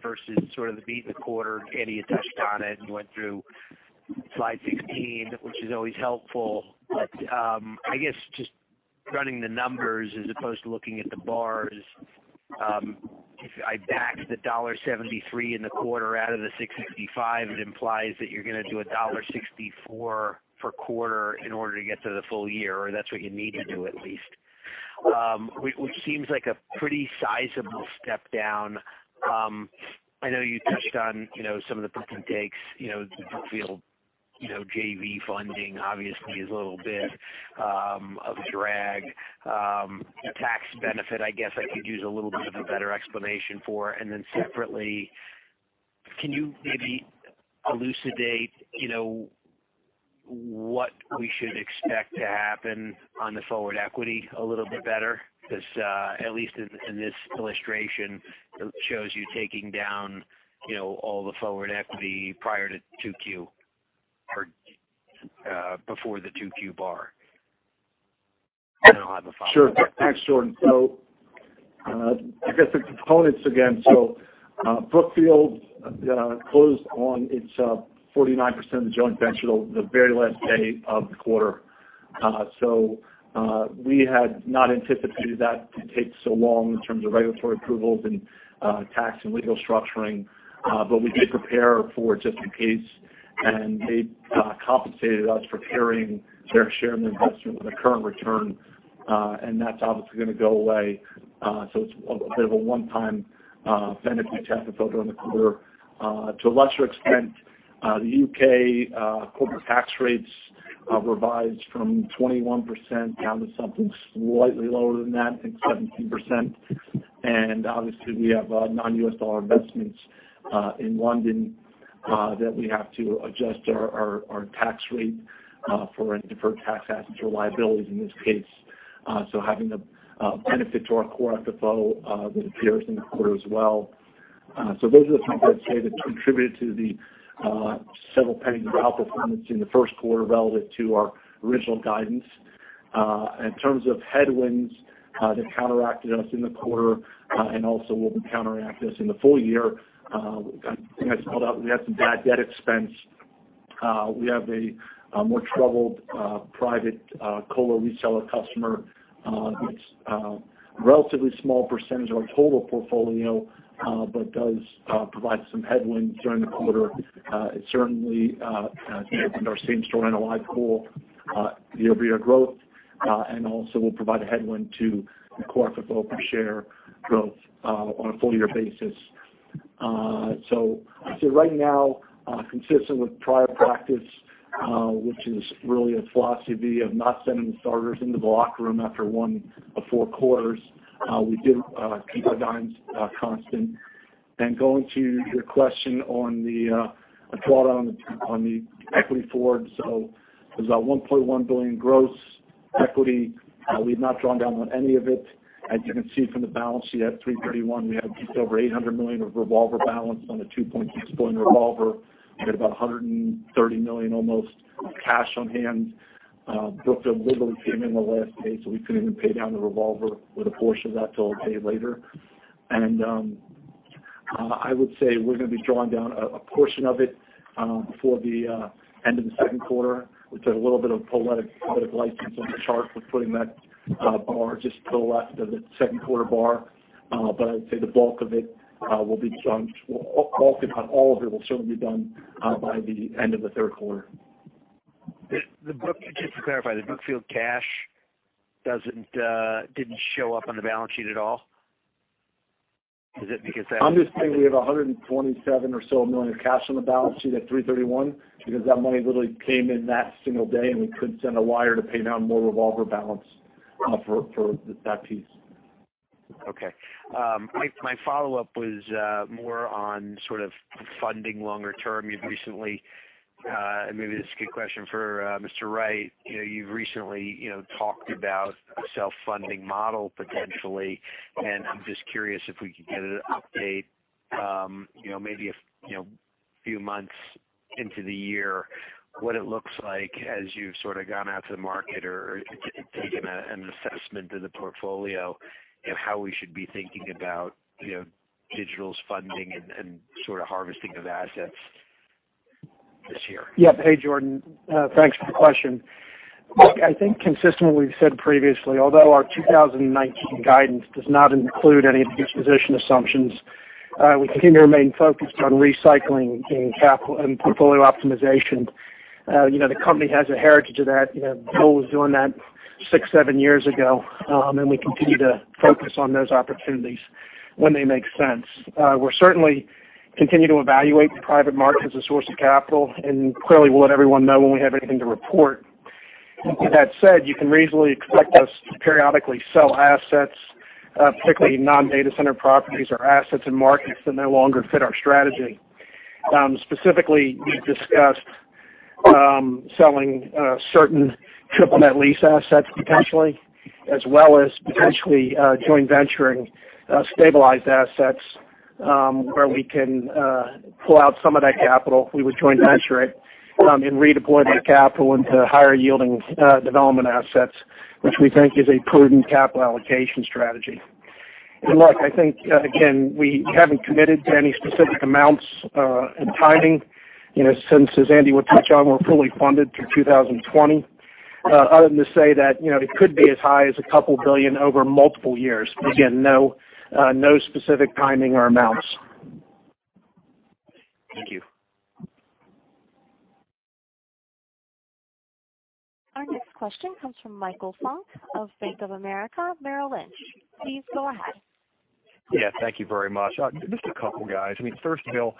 Speaker 10: versus sort of the beat in the quarter. Andy, you touched on it and went through slide 16, which is always helpful. I guess just running the numbers as opposed to looking at the bars. If I back the $1.73 in the quarter out of the $6.65, it implies that you're going to do $1.64 per quarter in order to get to the full year, or that's what you need to do, at least. Which seems like a pretty sizable step down. I know you touched on some of the puts and takes. Brookfield JV funding obviously is a little bit of a drag. The tax benefit, I guess I could use a little bit of a better explanation for. Separately, can you maybe elucidate what we should expect to happen on the forward equity a little bit better? Because at least in this illustration, it shows you taking down all the forward equity prior to 2Q or before the 2Q bar. I'll have a follow-up.
Speaker 7: Sure. Thanks, Jordan. I guess the components again. Brookfield closed on its 49% of the joint venture the very last day of the quarter. We had not anticipated that to take so long in terms of regulatory approvals and tax and legal structuring. We did prepare for it just in case, and they compensated us for carrying their share in the investment with a current return. That's obviously going to go away. It's a bit of a one-time benefit we have to build on the quarter. To a lesser extent the U.K. corporate tax rates revised from 21% down to something slightly lower than that, I think 17%. Obviously we have non-U.S. dollar investments in London that we have to adjust our tax rate for any deferred tax assets or liabilities in this case. Having a benefit to our core FFO that appears in the quarter as well. Those are the things I'd say that contributed to the several penny of outperformance in the first quarter relative to our original guidance. In terms of headwinds that counteracted us in the quarter and also will counteract us in the full year. I think I spelled out, we had some bad debt expense. We have a more troubled private colo reseller customer that's a relatively small percentage of our total portfolio but does provide some headwinds during the quarter. It's certainly been our same store annual life pool year-over-year growth. Also will provide a headwind to core FFO per share growth on a full year basis. I'd say right now consistent with prior practice which is really a philosophy of not sending the starters in the locker room after one of four quarters. We did keep our guidance constant. Going to your question on the follow on the equity forward. There's about $1.1 billion gross equity. We've not drawn down on any of it. As you can see from the balance sheet at 3/31, we have just over $800 million of revolver balance on a 2.8-point revolver. We had about $130 million almost cash on hand. Brookfield literally came in the last day, so we couldn't even pay down the revolver with a portion of that till a day later. I would say we're going to be drawing down a portion of it before the end of the second quarter. We took a little bit of poetic license on the chart with putting that bar just to the left of the second quarter bar. I'd say the bulk of it will be done. Well, bulk if not all of it will certainly be done by the end of the third quarter.
Speaker 10: Just to clarify, the Brookfield cash didn't show up on the balance sheet at all. Is it because
Speaker 7: I'm just saying we have $127 or so million of cash on the balance sheet at 3/31 because that money literally came in that single day and we couldn't send a wire to pay down more revolver balance for that piece.
Speaker 10: Okay. My follow-up was more on sort of funding longer term. You've recently, and maybe this is a good question for Mr. Wright. You've recently talked about a self-funding model potentially and I'm just curious if we could get an update maybe a few months into the year. What it looks like as you've sort of gone out to the market or taken an assessment of the portfolio and how we should be thinking about Digital's funding and sort of harvesting of assets this year.
Speaker 9: Yeah. Hey, Jordan. Thanks for the question. Look, I think consistent with what we've said previously, although our 2019 guidance does not include any of the disposition assumptions we continue to remain focused on recycling and portfolio optimization. The company has a heritage of that. Paul was doing that six, seven years ago. We continue to focus on those opportunities when they make sense. We certainly continue to evaluate the private market as a source of capital and clearly we'll let everyone know when we have anything to report. With that said, you can reasonably expect us to periodically sell assets particularly non-data center properties or assets in markets that no longer fit our strategy Specifically, we discussed selling certain triple net lease assets potentially, as well as potentially joint venturing stabilized assets, where we can pull out some of that capital. We would joint venture it and redeploy that capital into higher yielding development assets, which we think is a prudent capital allocation strategy. Look, I think, again, we haven't committed to any specific amounts and timing, since as Andy will touch on, we're fully funded through 2020. Other than to say that, it could be as high as a couple billion over multiple years. Again, no specific timing or amounts.
Speaker 10: Thank you.
Speaker 4: Our next question comes from Michael Funk of Bank of America Merrill Lynch. Please go ahead.
Speaker 11: Thank you very much. Just a couple, guys. First of all,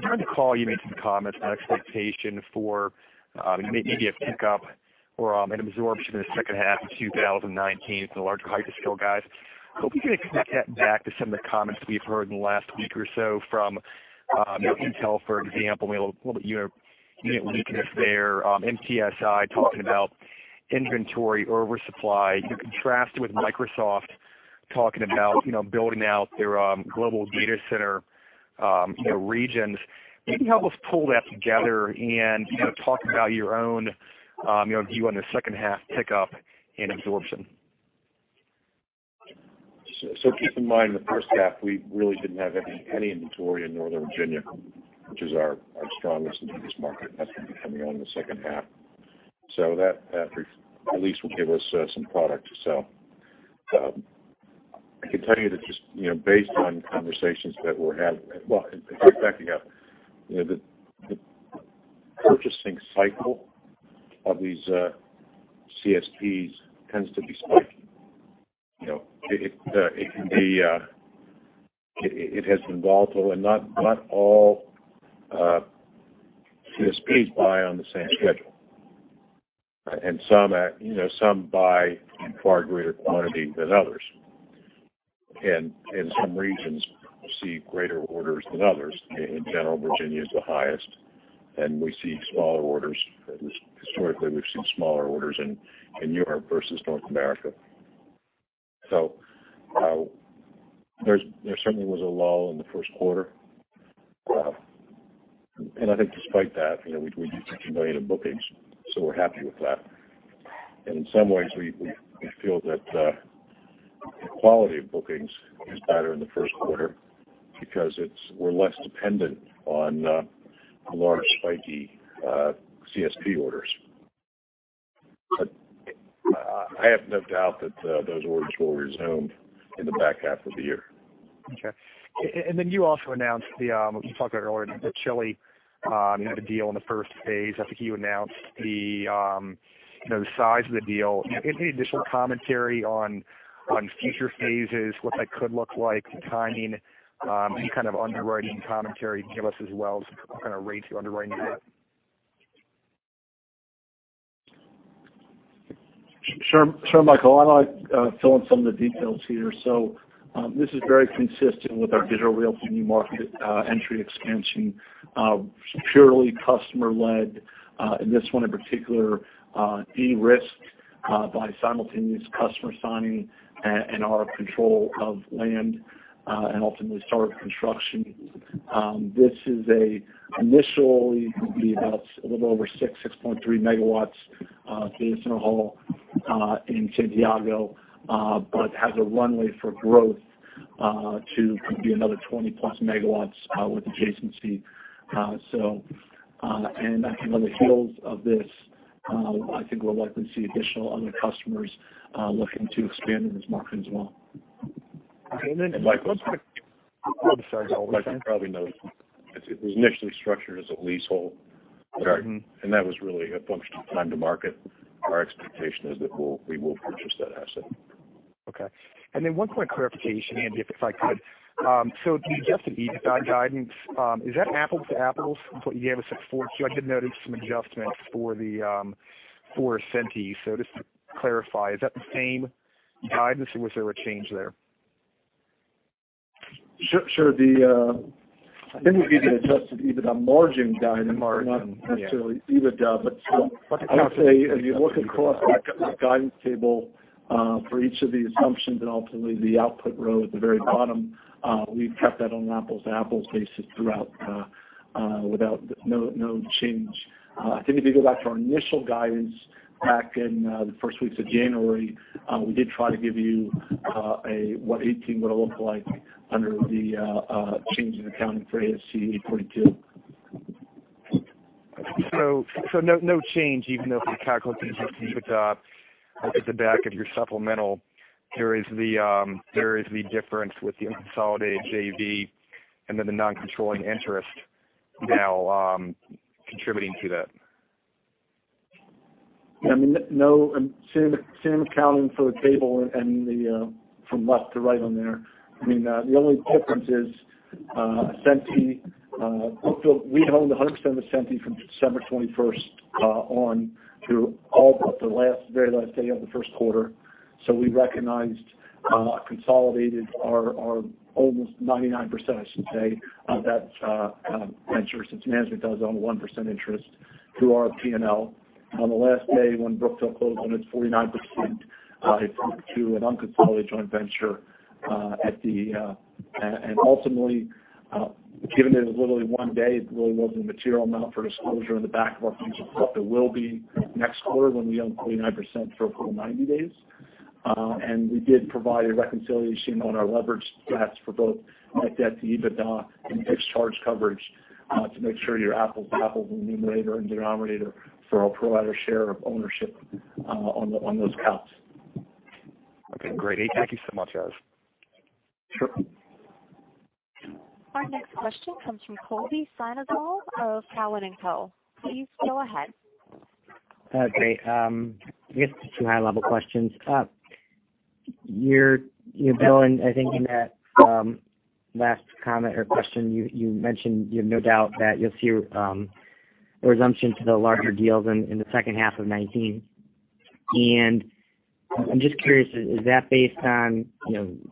Speaker 11: during the call you made some comments on expectation for, you may give pick-up or an absorption in the second half of 2019 for the larger hyperscale guys. We kind of connect that back to some of the comments we've heard in the last week or so from Intel, for example, a little unit weakness there. MTSI talking about inventory or oversupply. You contrast it with Microsoft talking about building out their global data center regions. Maybe help us pull that together and talk about your own view on the second half pick-up and absorption.
Speaker 6: Keep in mind, the first half, we really didn't have any inventory in Northern Virginia, which is our strongest and biggest market, and that's going to be coming on in the second half. That at least will give us some product to sell. I can tell you that just based on conversations that we're having. Well, backing up. The purchasing cycle of these CSPs tends to be spiky. It has been volatile and not all CSPs buy on the same schedule. Some buy in far greater quantity than others. Some regions receive greater orders than others. In general, Virginia is the highest, and historically we've seen smaller orders in Europe versus North America. There certainly was a lull in the first quarter. I think despite that, we did $15 million in bookings, so we're happy with that. In some ways, we feel that the quality of bookings is better in the first quarter because we're less dependent on large spiky CSP orders. I have no doubt that those orders will resume in the back half of the year.
Speaker 11: Okay. You also announced the, we talked about it earlier, the Chile deal in the first phase. I think you announced the size of the deal. Any additional commentary on future phases, what that could look like, the timing, any kind of underwriting commentary you can give us as well as kind of rate you're underwriting that?
Speaker 7: Sure, Michael. I'd like fill in some of the details here. This is very consistent with our Digital Realty New Market entry expansion. Purely customer led, and this one in particular, de-risked by simultaneous customer signing and our control of land, and ultimately start of construction. This is initially going to be about a little over 6.3 megawatts data center haul in Santiago, but has a runway for growth to could be another 20 plus megawatts with adjacency. On the heels of this, I think we'll likely see additional other customers looking to expand in this market as well.
Speaker 11: And then-
Speaker 6: Michael-
Speaker 11: Oh, sorry. Go ahead.
Speaker 6: Michael, you probably know, it was initially structured as a leasehold.
Speaker 11: Right.
Speaker 6: That was really a function of time to market. Our expectation is that we will purchase that asset.
Speaker 11: Okay. One point of clarification, Andy, if I could. The adjusted EBITDA guidance, is that apples to apples, what you gave us at 4Q? I did notice some adjustments for Ascenty. Just to clarify, is that the same guidance or was there a change there?
Speaker 7: Sure. I think if you get adjusted, EBITDA margin guidance-
Speaker 6: Margin, yeah
Speaker 7: not necessarily EBITDA, but I would say, as you look across our guidance table for each of the assumptions and ultimately the output row at the very bottom, we've kept that on an apples to apples basis throughout, no change. I think if you go back to our initial guidance back in the first weeks of January, we did try to give you what 2018 would've looked like under the change in accounting for ASC 842.
Speaker 11: No change, even though if you calculate the adjusted EBITDA, look at the back of your supplemental, there is the difference with the unconsolidated JV and then the non-controlling interest now contributing to that.
Speaker 7: No. Same accounting for the table and from left to right on there. The only difference is Ascenty. We owned 100% of Ascenty from December 21st on through all but the very last day of the first quarter. We recognized, consolidated our almost 99%, I should say, of that venture, since management does own 1% interest through our P&L. On the last day when Brookfield closed on its 49%, it moved to an unconsolidated joint venture. Ultimately, given that it was literally one day, it really wasn't a material amount for disclosure in the back of our future, but there will be next quarter when we own 49% for a full 90 days. We did provide a reconciliation on our leverage stats for both net debt to EBITDA and fixed charge coverage to make sure your apples to apples in the numerator and denominator for our pro-rata share of ownership on those counts.
Speaker 11: Okay, great. Thank you so much, guys.
Speaker 7: Sure.
Speaker 4: Our next question comes from Colby Synesael of Cowen and Company. Please go ahead.
Speaker 12: Great. I guess just two high-level questions. Bill, I think in that last comment or question you mentioned you have no doubt that you'll see a resumption to the larger deals in the second half of 2019. I'm just curious, is that based on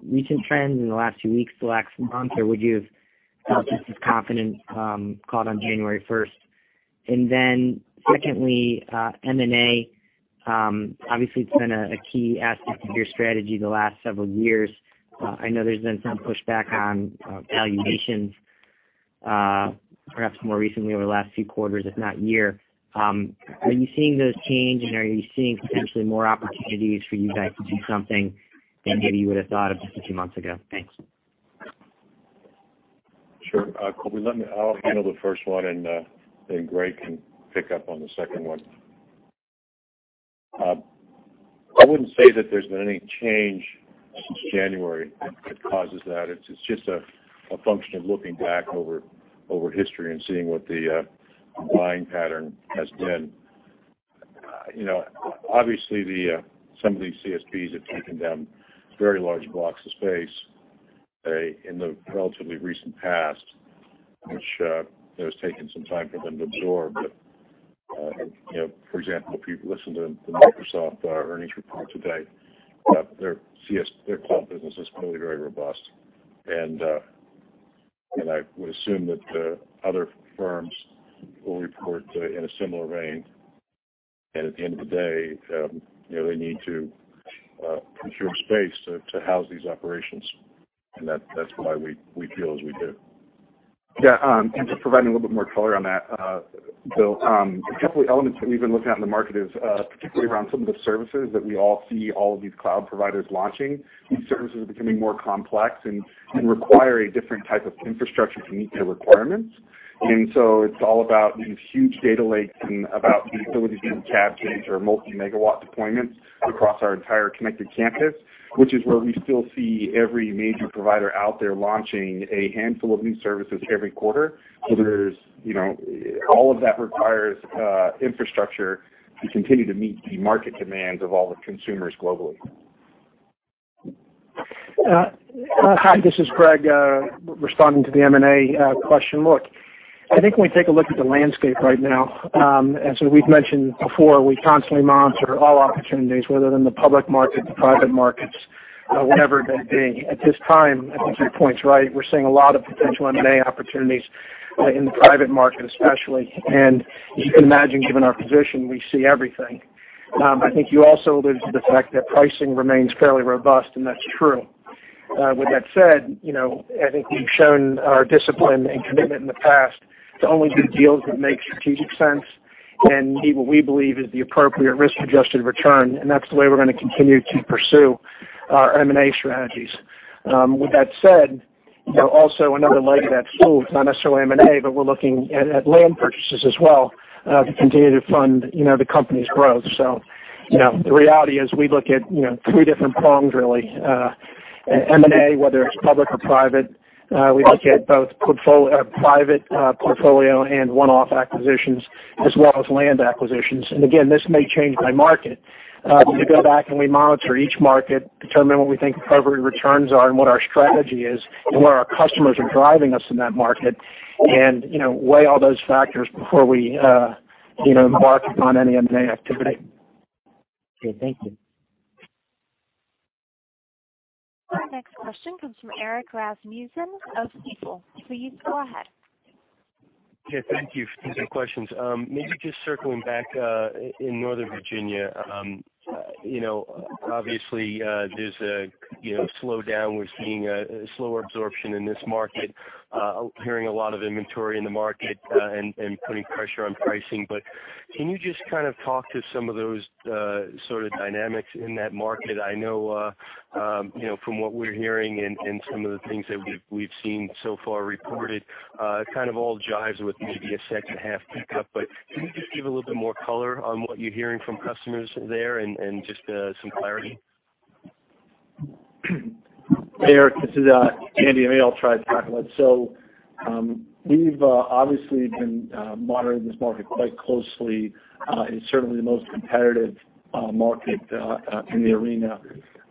Speaker 12: recent trends in the last few weeks, the last month, or would you have felt just as confident called on January 1st? Then secondly, M&A. Obviously, it's been a key aspect of your strategy the last several years. I know there's been some pushback on valuations, perhaps more recently over the last few quarters, if not year. Are you seeing those change, and are you seeing potentially more opportunities for you guys to do something than maybe you would've thought of just a few months ago? Thanks.
Speaker 6: Sure. Colby, I'll handle the first one, then Greg can pick up on the second one. I wouldn't say that there's been any change since January that causes that. It's just a function of looking back over history and seeing what the buying pattern has been. Obviously, some of these CSPs have taken down very large blocks of space in the relatively recent past, which has taken some time for them to absorb. For example, if you listen to the Microsoft earnings report today, their cloud business is clearly very robust. I would assume that the other firms will report in a similar vein. At the end of the day, they need to procure space to house these operations. That's why we feel as we do.
Speaker 13: Yeah. Just providing a little bit more color on that, Bill. A couple elements that we've been looking at in the market is particularly around some of the services that we all see all of these cloud providers launching. These services are becoming more complex and require a different type of infrastructure to meet their requirements. It's all about these huge data lakes and about the ability to do caging or multi-megawatt deployments across our entire Connected Campus, which is where we still see every major provider out there launching a handful of new services every quarter. All of that requires infrastructure to continue to meet the market demands of all the consumers globally.
Speaker 9: Hi, this is Greg, responding to the M&A question. Look, I think when we take a look at the landscape right now, we've mentioned before, we constantly monitor all opportunities, whether they're in the public market, the private markets, whatever it may be. At this time, I think your point's right. We're seeing a lot of potential M&A opportunities in the private market especially. As you can imagine, given our position, we see everything. I think you also alluded to the fact that pricing remains fairly robust. That's true. With that said, I think we've shown our discipline and commitment in the past to only do deals that make strategic sense and meet what we believe is the appropriate risk-adjusted return. That's the way we're going to continue to pursue our M&A strategies. With that said, also another leg of that stool, it's not necessarily M&A, but we're looking at land purchases as well, to continue to fund the company's growth. The reality is we look at three different prongs, really. M&A, whether it's public or private. We look at both private portfolio and one-off acquisitions, as well as land acquisitions. Again, this may change by market. We go back and we monitor each market, determine what we think appropriate returns are and what our strategy is and where our customers are driving us in that market, and weigh all those factors before we embark upon any M&A activity.
Speaker 12: Okay, thank you.
Speaker 4: Our next question comes from Erik Rasmussen of Stifel. Please go ahead.
Speaker 14: Okay, thank you. Two quick questions. Maybe just circling back, in Northern Virginia. Obviously, there's a slowdown. We're seeing a slower absorption in this market, hearing a lot of inventory in the market, and putting pressure on pricing. Can you just talk to some of those sort of dynamics in that market? I know, from what we're hearing and some of the things that we've seen so far reported, it kind of all jives with maybe a second half pickup. Can you just give a little bit more color on what you're hearing from customers there and just some clarity?
Speaker 7: Hey, Erik, this is Andy. Maybe I'll try to tackle it. We've obviously been monitoring this market quite closely. It's certainly the most competitive market in the arena.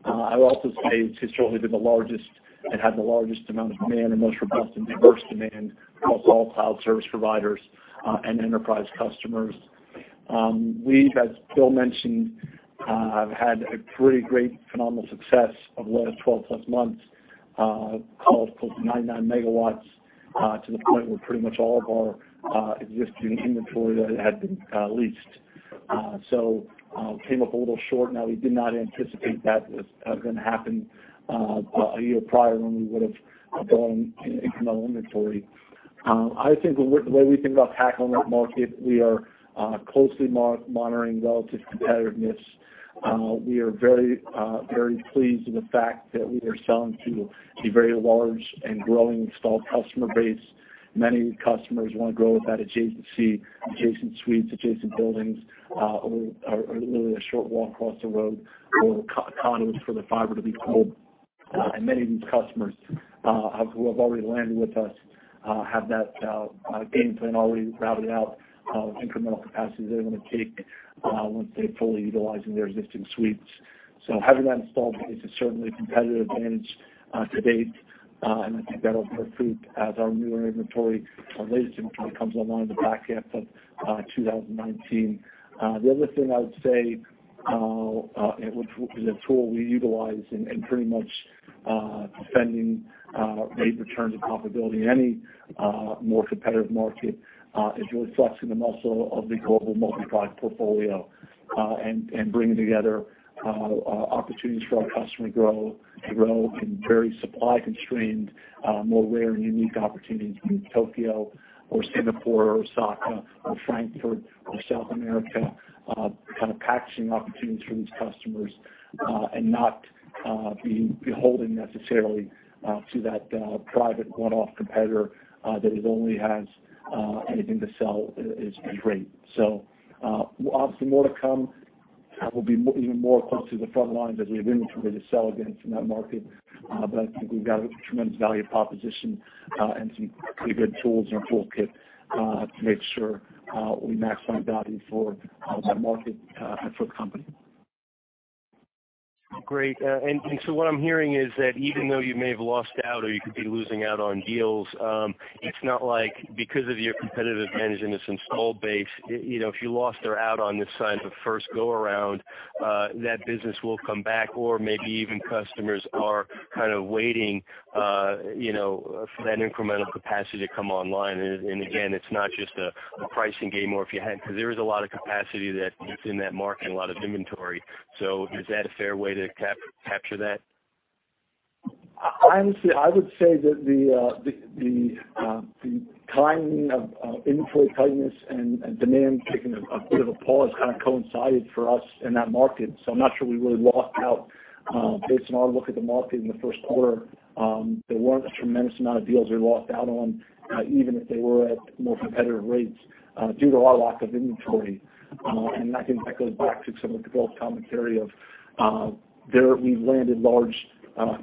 Speaker 7: I would also say it's historically been the largest and had the largest amount of demand and most robust and diverse demand across all cloud service providers and enterprise customers. We've, as Bill mentioned, have had a pretty great phenomenal success over the last 12 plus months, close to 99 MW, to the point where pretty much all of our existing inventory that had been leased. Came up a little short. We did not anticipate that was going to happen a year prior when we would've gone incremental inventory. I think the way we think about tackling that market, we are closely monitoring relative competitiveness. We are very pleased with the fact that we are selling to a very large and growing installed customer base. Many customers want to grow with that adjacency, adjacent suites, adjacent buildings, or literally a short walk across the road or condos for the fiber to be pulled. Many of these customers who have already landed with us have that game plan already routed out of incremental capacity they're going to take once they're fully utilizing their existing suites. Having that installed base is certainly a competitive advantage to date, and I think that'll bear fruit as our newer inventory or latest inventory comes online in the back half of 2019. The other thing I would say, which is a tool we utilize in pretty much defending rate returns and profitability in any more competitive market, is really flexing the muscle of the global multi-cloud portfolio, and bringing together opportunities for our customer growth in very supply-constrained, more rare and unique opportunities in Tokyo or Singapore or Osaka or Frankfurt or South America. Kind of packaging opportunities for these customers, and not being beholden necessarily to that private one-off competitor that only has anything to sell is great. Obviously more to come. I will be even more close to the front lines as we have inventory to sell again in that market. I think we've got a tremendous value proposition, and some pretty good tools in our toolkit to make sure we maximize value for that market and for the company.
Speaker 14: Great. What I'm hearing is that even though you may have lost out or you could be losing out on deals, it's not like because of your competitive advantage in this installed base, if you lost out on this side the first go-around, that business will come back. Maybe even customers are kind of waiting for that incremental capacity to come online. Again, it's not just a pricing game, or because there is a lot of capacity that's in that market and a lot of inventory. Is that a fair way to capture that?
Speaker 7: I would say that the timing of inventory tightness and demand taking a bit of a pause kind of coincided for us in that market. I'm not sure we really lost out based on our look at the market in the first quarter. There weren't a tremendous amount of deals we lost out on, even if they were at more competitive rates, due to our lack of inventory. I think that goes back to some of Bill's commentary of we've landed large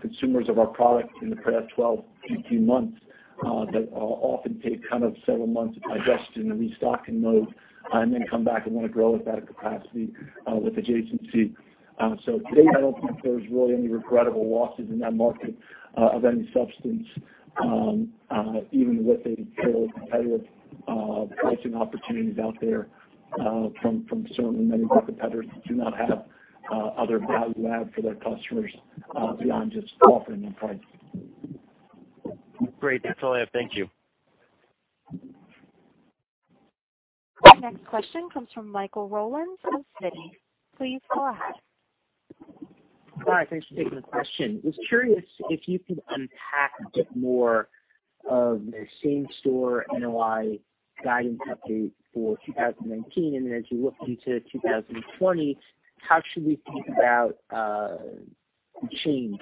Speaker 7: consumers of our product in the past 12, 15 months, that often take several months of digestion and restocking mode and then come back and want to grow with that capacity, with adjacency. Today, I don't think there's really any regrettable losses in that market of any substance, even with the competitive pricing opportunities out there from certainly many of the competitors that do not have other value add for their customers beyond just offering them price.
Speaker 14: Great. That's all I have. Thank you.
Speaker 4: Next question comes from Michael Rollins with Citi. Please go ahead.
Speaker 15: Hi, thanks for taking the question. Was curious if you could unpack a bit more of the same-store NOI guidance update for 2019. As you look into 2020, how should we think about the change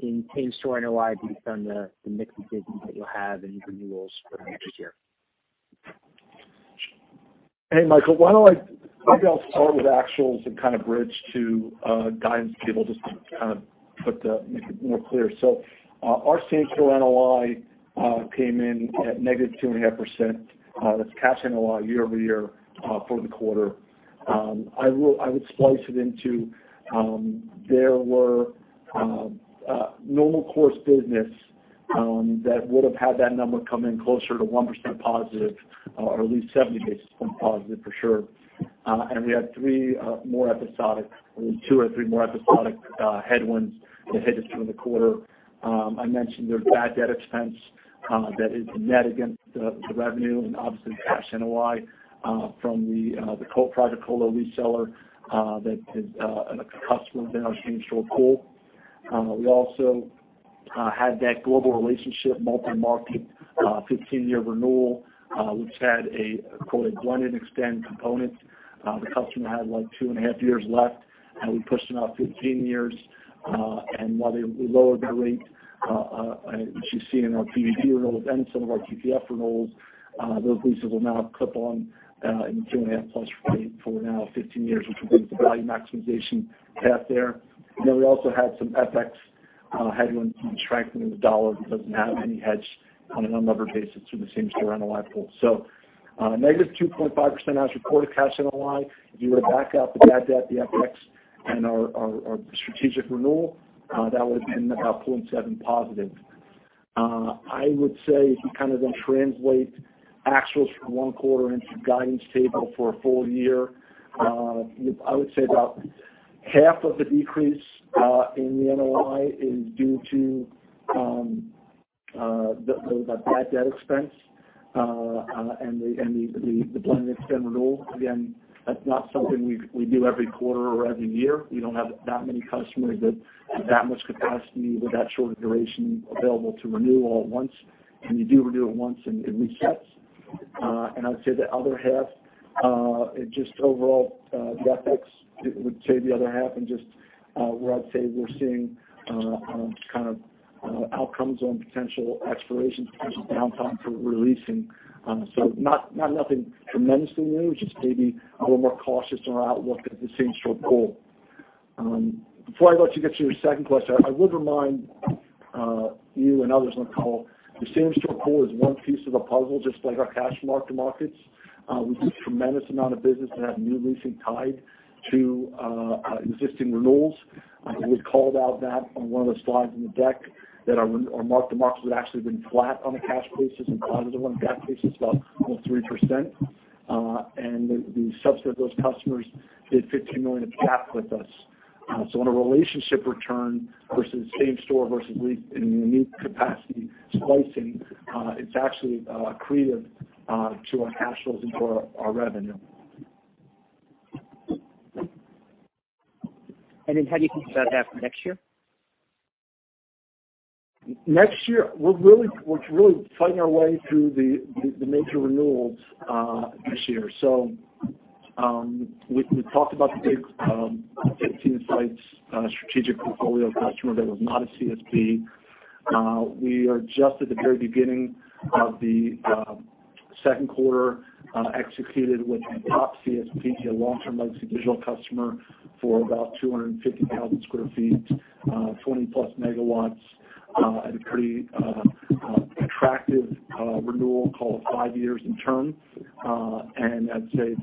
Speaker 15: in same-store NOI based on the mix of business that you'll have and renewals for next year?
Speaker 7: Hey, Michael, why don't I maybe I'll start with actuals and kind of bridge to guidance for people just to kind of make it more clear. Our same-store NOI came in at negative 2.5%. That's cash NOI year-over-year for the quarter. I would splice it into there were normal course business that would have had that number come in closer to 1% positive or at least 70 basis points positive for sure. We had two or three more episodic headwinds that hit us during the quarter. I mentioned there's bad debt expense that is a net against the revenue and obviously cash NOI from the colo reseller that is a customer within our same-store pool. We also had that global relationship multi-market 15-year renewal, which had a quoted blended expand component. The customer had like two and a half years left, we pushed them out 15 years. While we lowered the rate, which you see in our PVP renewals and some of our QPF renewals, those leases will now clip on in two and a half plus for now 15 years, which was the value maximization path there. We also had some FX headwinds from the strengthening of the dollar because it didn't have any hedge on an unlevered basis through the same-store NOI pool. Negative 2.5% as reported cash NOI. If you were to back out the bad debt, the FX, and our strategic renewal, that would have been about 0.7% positive. I would say if you translate actuals from one quarter into a guidance table for a full year, I would say about half of the decrease in the NOI is due to that bad debt expense, and the blended extend renewal. Again, that's not something we do every quarter or every year. We don't have that many customers with that much capacity, with that short a duration available to renew all at once, and you do renew it once in resets. I would say the other half, just overall CapEx would say the other half and just where I'd say we're seeing outcomes on potential expirations, potential downtime for re-leasing. Nothing tremendously new, just maybe a little more cautious on our outlook at the same-store pool. Before I let you get to your second question, I would remind you and others on the call, the same-store pool is one piece of the puzzle, just like our cash mark-to-markets. We do a tremendous amount of business that have new leasing tied to existing renewals. We called out that on one of the slides in the deck that our mark-to-markets would actually been flat on a cash basis and positive on a GAAP basis, about 3%. The subset of those customers did $15 million of CapEx with us. On a relationship return versus same-store versus unique capacity splicing, it's actually accretive to our cash flows and to our revenue.
Speaker 15: How do you think about that for next year?
Speaker 7: Next year, we're really fighting our way through the major renewals this year. We talked about the big 15 sites strategic portfolio customer that was not a CSP. We are just at the very beginning of the second quarter, executed with a top CSP, a long-term legacy digital customer for about 250,000 square feet, 20-plus megawatts at a pretty attractive renewal called five years in term. I'd say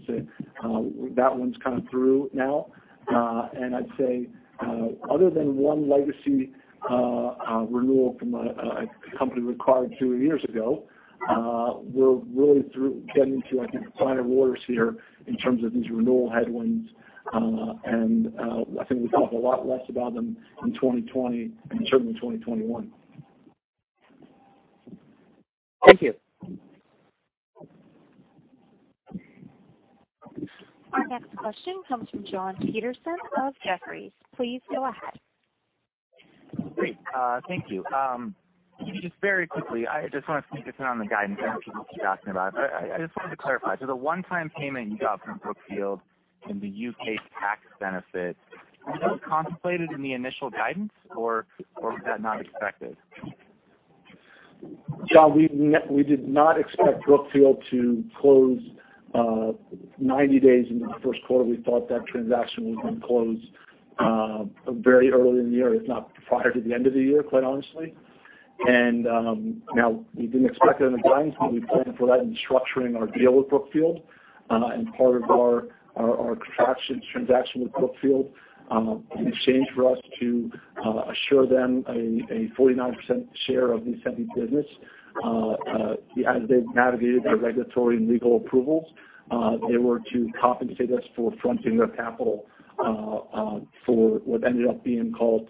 Speaker 7: that one's kind of through now. I'd say other than one legacy renewal from a company we acquired two years ago, we're really through getting into, I think, quieter waters here in terms of these renewal headwinds. I think we talk a lot less about them in 2020 and certainly 2021.
Speaker 15: Thank you.
Speaker 4: Our next question comes from Jonathan Petersen of Jefferies. Please go ahead.
Speaker 16: Great. Thank you. Just very quickly, I just wanted to get your take on the guidance. I know people keep asking about it, but I just wanted to clarify. The one-time payment you got from Brookfield and the U.K. tax benefit, was that contemplated in the initial guidance, or was that not expected?
Speaker 7: John, we did not expect Brookfield to close 90 days into the first quarter. We thought that transaction would have been closed very early in the year, if not prior to the end of the year, quite honestly. Now we didn't expect it in the guidance, but we planned for that in structuring our deal with Brookfield. Part of our transaction with Brookfield, in exchange for us to assure them a 49% share of the Ascenty business as they navigated their regulatory and legal approvals, they were to compensate us for fronting their capital, for what ended up being called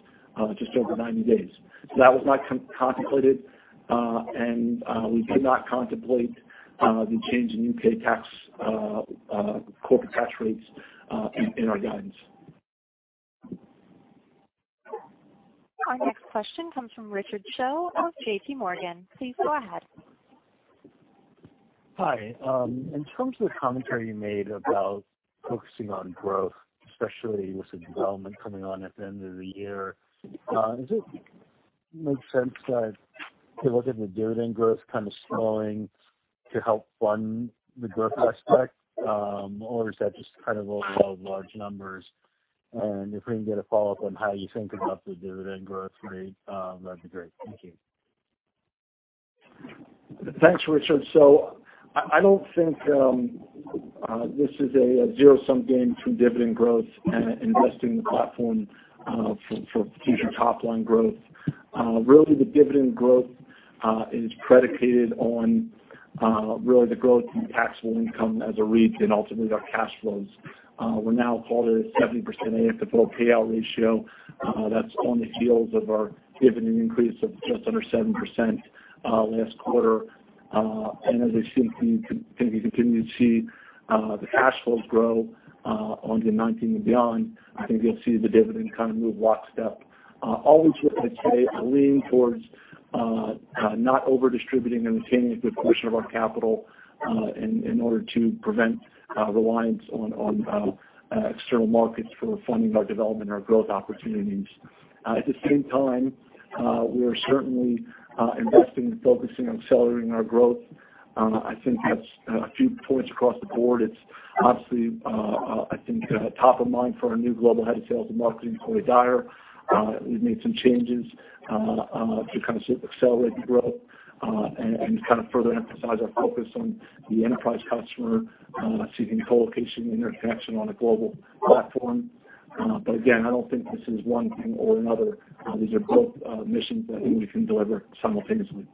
Speaker 7: just over 90 days. That was not contemplated, and we did not contemplate the change in U.K. corporate tax rates in our guidance.
Speaker 4: Our next question comes from Richard Choe of J.P. Morgan. Please go ahead.
Speaker 17: Hi. In terms of the commentary you made about focusing on growth, especially with the development coming on at the end of the year, does it make sense that to look at the dividend growth kind of slowing to help fund the growth aspect? Or is that just kind of overall large numbers? If we can get a follow-up on how you think about the dividend growth rate, that would be great. Thank you.
Speaker 7: Thanks, Richard. I don't think this is a zero-sum game between dividend growth and investing in the platform for future top-line growth. Really, the dividend growth is predicated on really the growth in taxable income as a REIT and ultimately our cash flows. We're now calling a 70% AFFO payout ratio. That's on the heels of our dividend increase of just under 7% last quarter. As I think we continue to see the cash flows grow on to 2019 and beyond, I think you'll see the dividend kind of move lockstep. Always looking to today and leaning towards not over-distributing and retaining a good portion of our capital in order to prevent reliance on external markets for funding our development and our growth opportunities. At the same time, we are certainly investing and focusing on accelerating our growth. I think that's a few points across the board. It's obviously, I think top of mind for our new Global Head of Sales and Marketing, Corey Dyer. We've made some changes to kind of accelerate the growth. And kind of further emphasize our focus on the enterprise customer seeking co-location, interconnection on a global platform. Again, I don't think this is one thing or another. These are both missions that I think we can deliver simultaneously.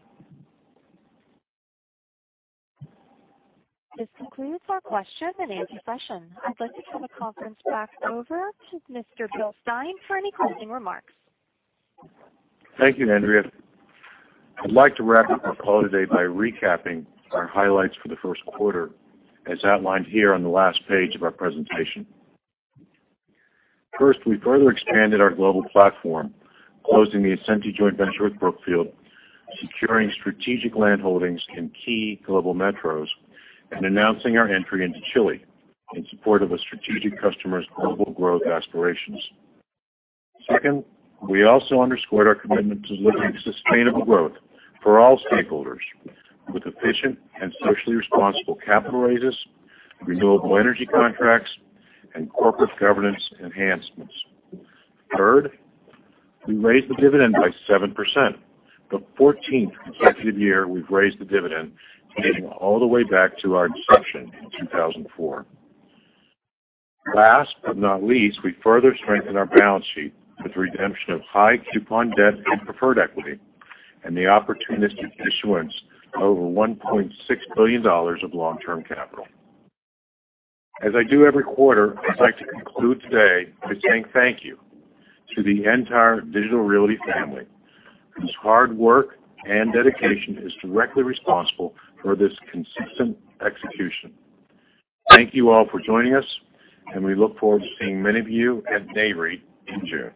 Speaker 4: This concludes our question and answer session. I'd like to turn the conference back over to Mr. Bill Stein for any closing remarks.
Speaker 6: Thank you, Andrea. I'd like to wrap up our call today by recapping our highlights for the first quarter, as outlined here on the last page of our presentation. First, we further expanded our global platform, closing the Ascenty joint venture with Brookfield, securing strategic land holdings in key global metros, and announcing our entry into Chile in support of a strategic customer's global growth aspirations. Second, we also underscored our commitment to delivering sustainable growth for all stakeholders with efficient and socially responsible capital raises, renewable energy contracts, and corporate governance enhancements. Third, we raised the dividend by 7%, the 14th consecutive year we've raised the dividend, dating all the way back to our inception in 2004. Last but not least, we further strengthened our balance sheet with redemption of high coupon debt and preferred equity and the opportunistic issuance of over $1.6 billion of long-term capital. As I do every quarter, I'd like to conclude today by saying thank you to the entire Digital Realty family, whose hard work and dedication is directly responsible for this consistent execution. Thank you all for joining us, and we look forward to seeing many of you at Nareit in June.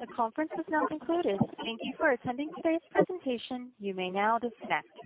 Speaker 4: The conference has now concluded. Thank you for attending today's presentation. You may now disconnect.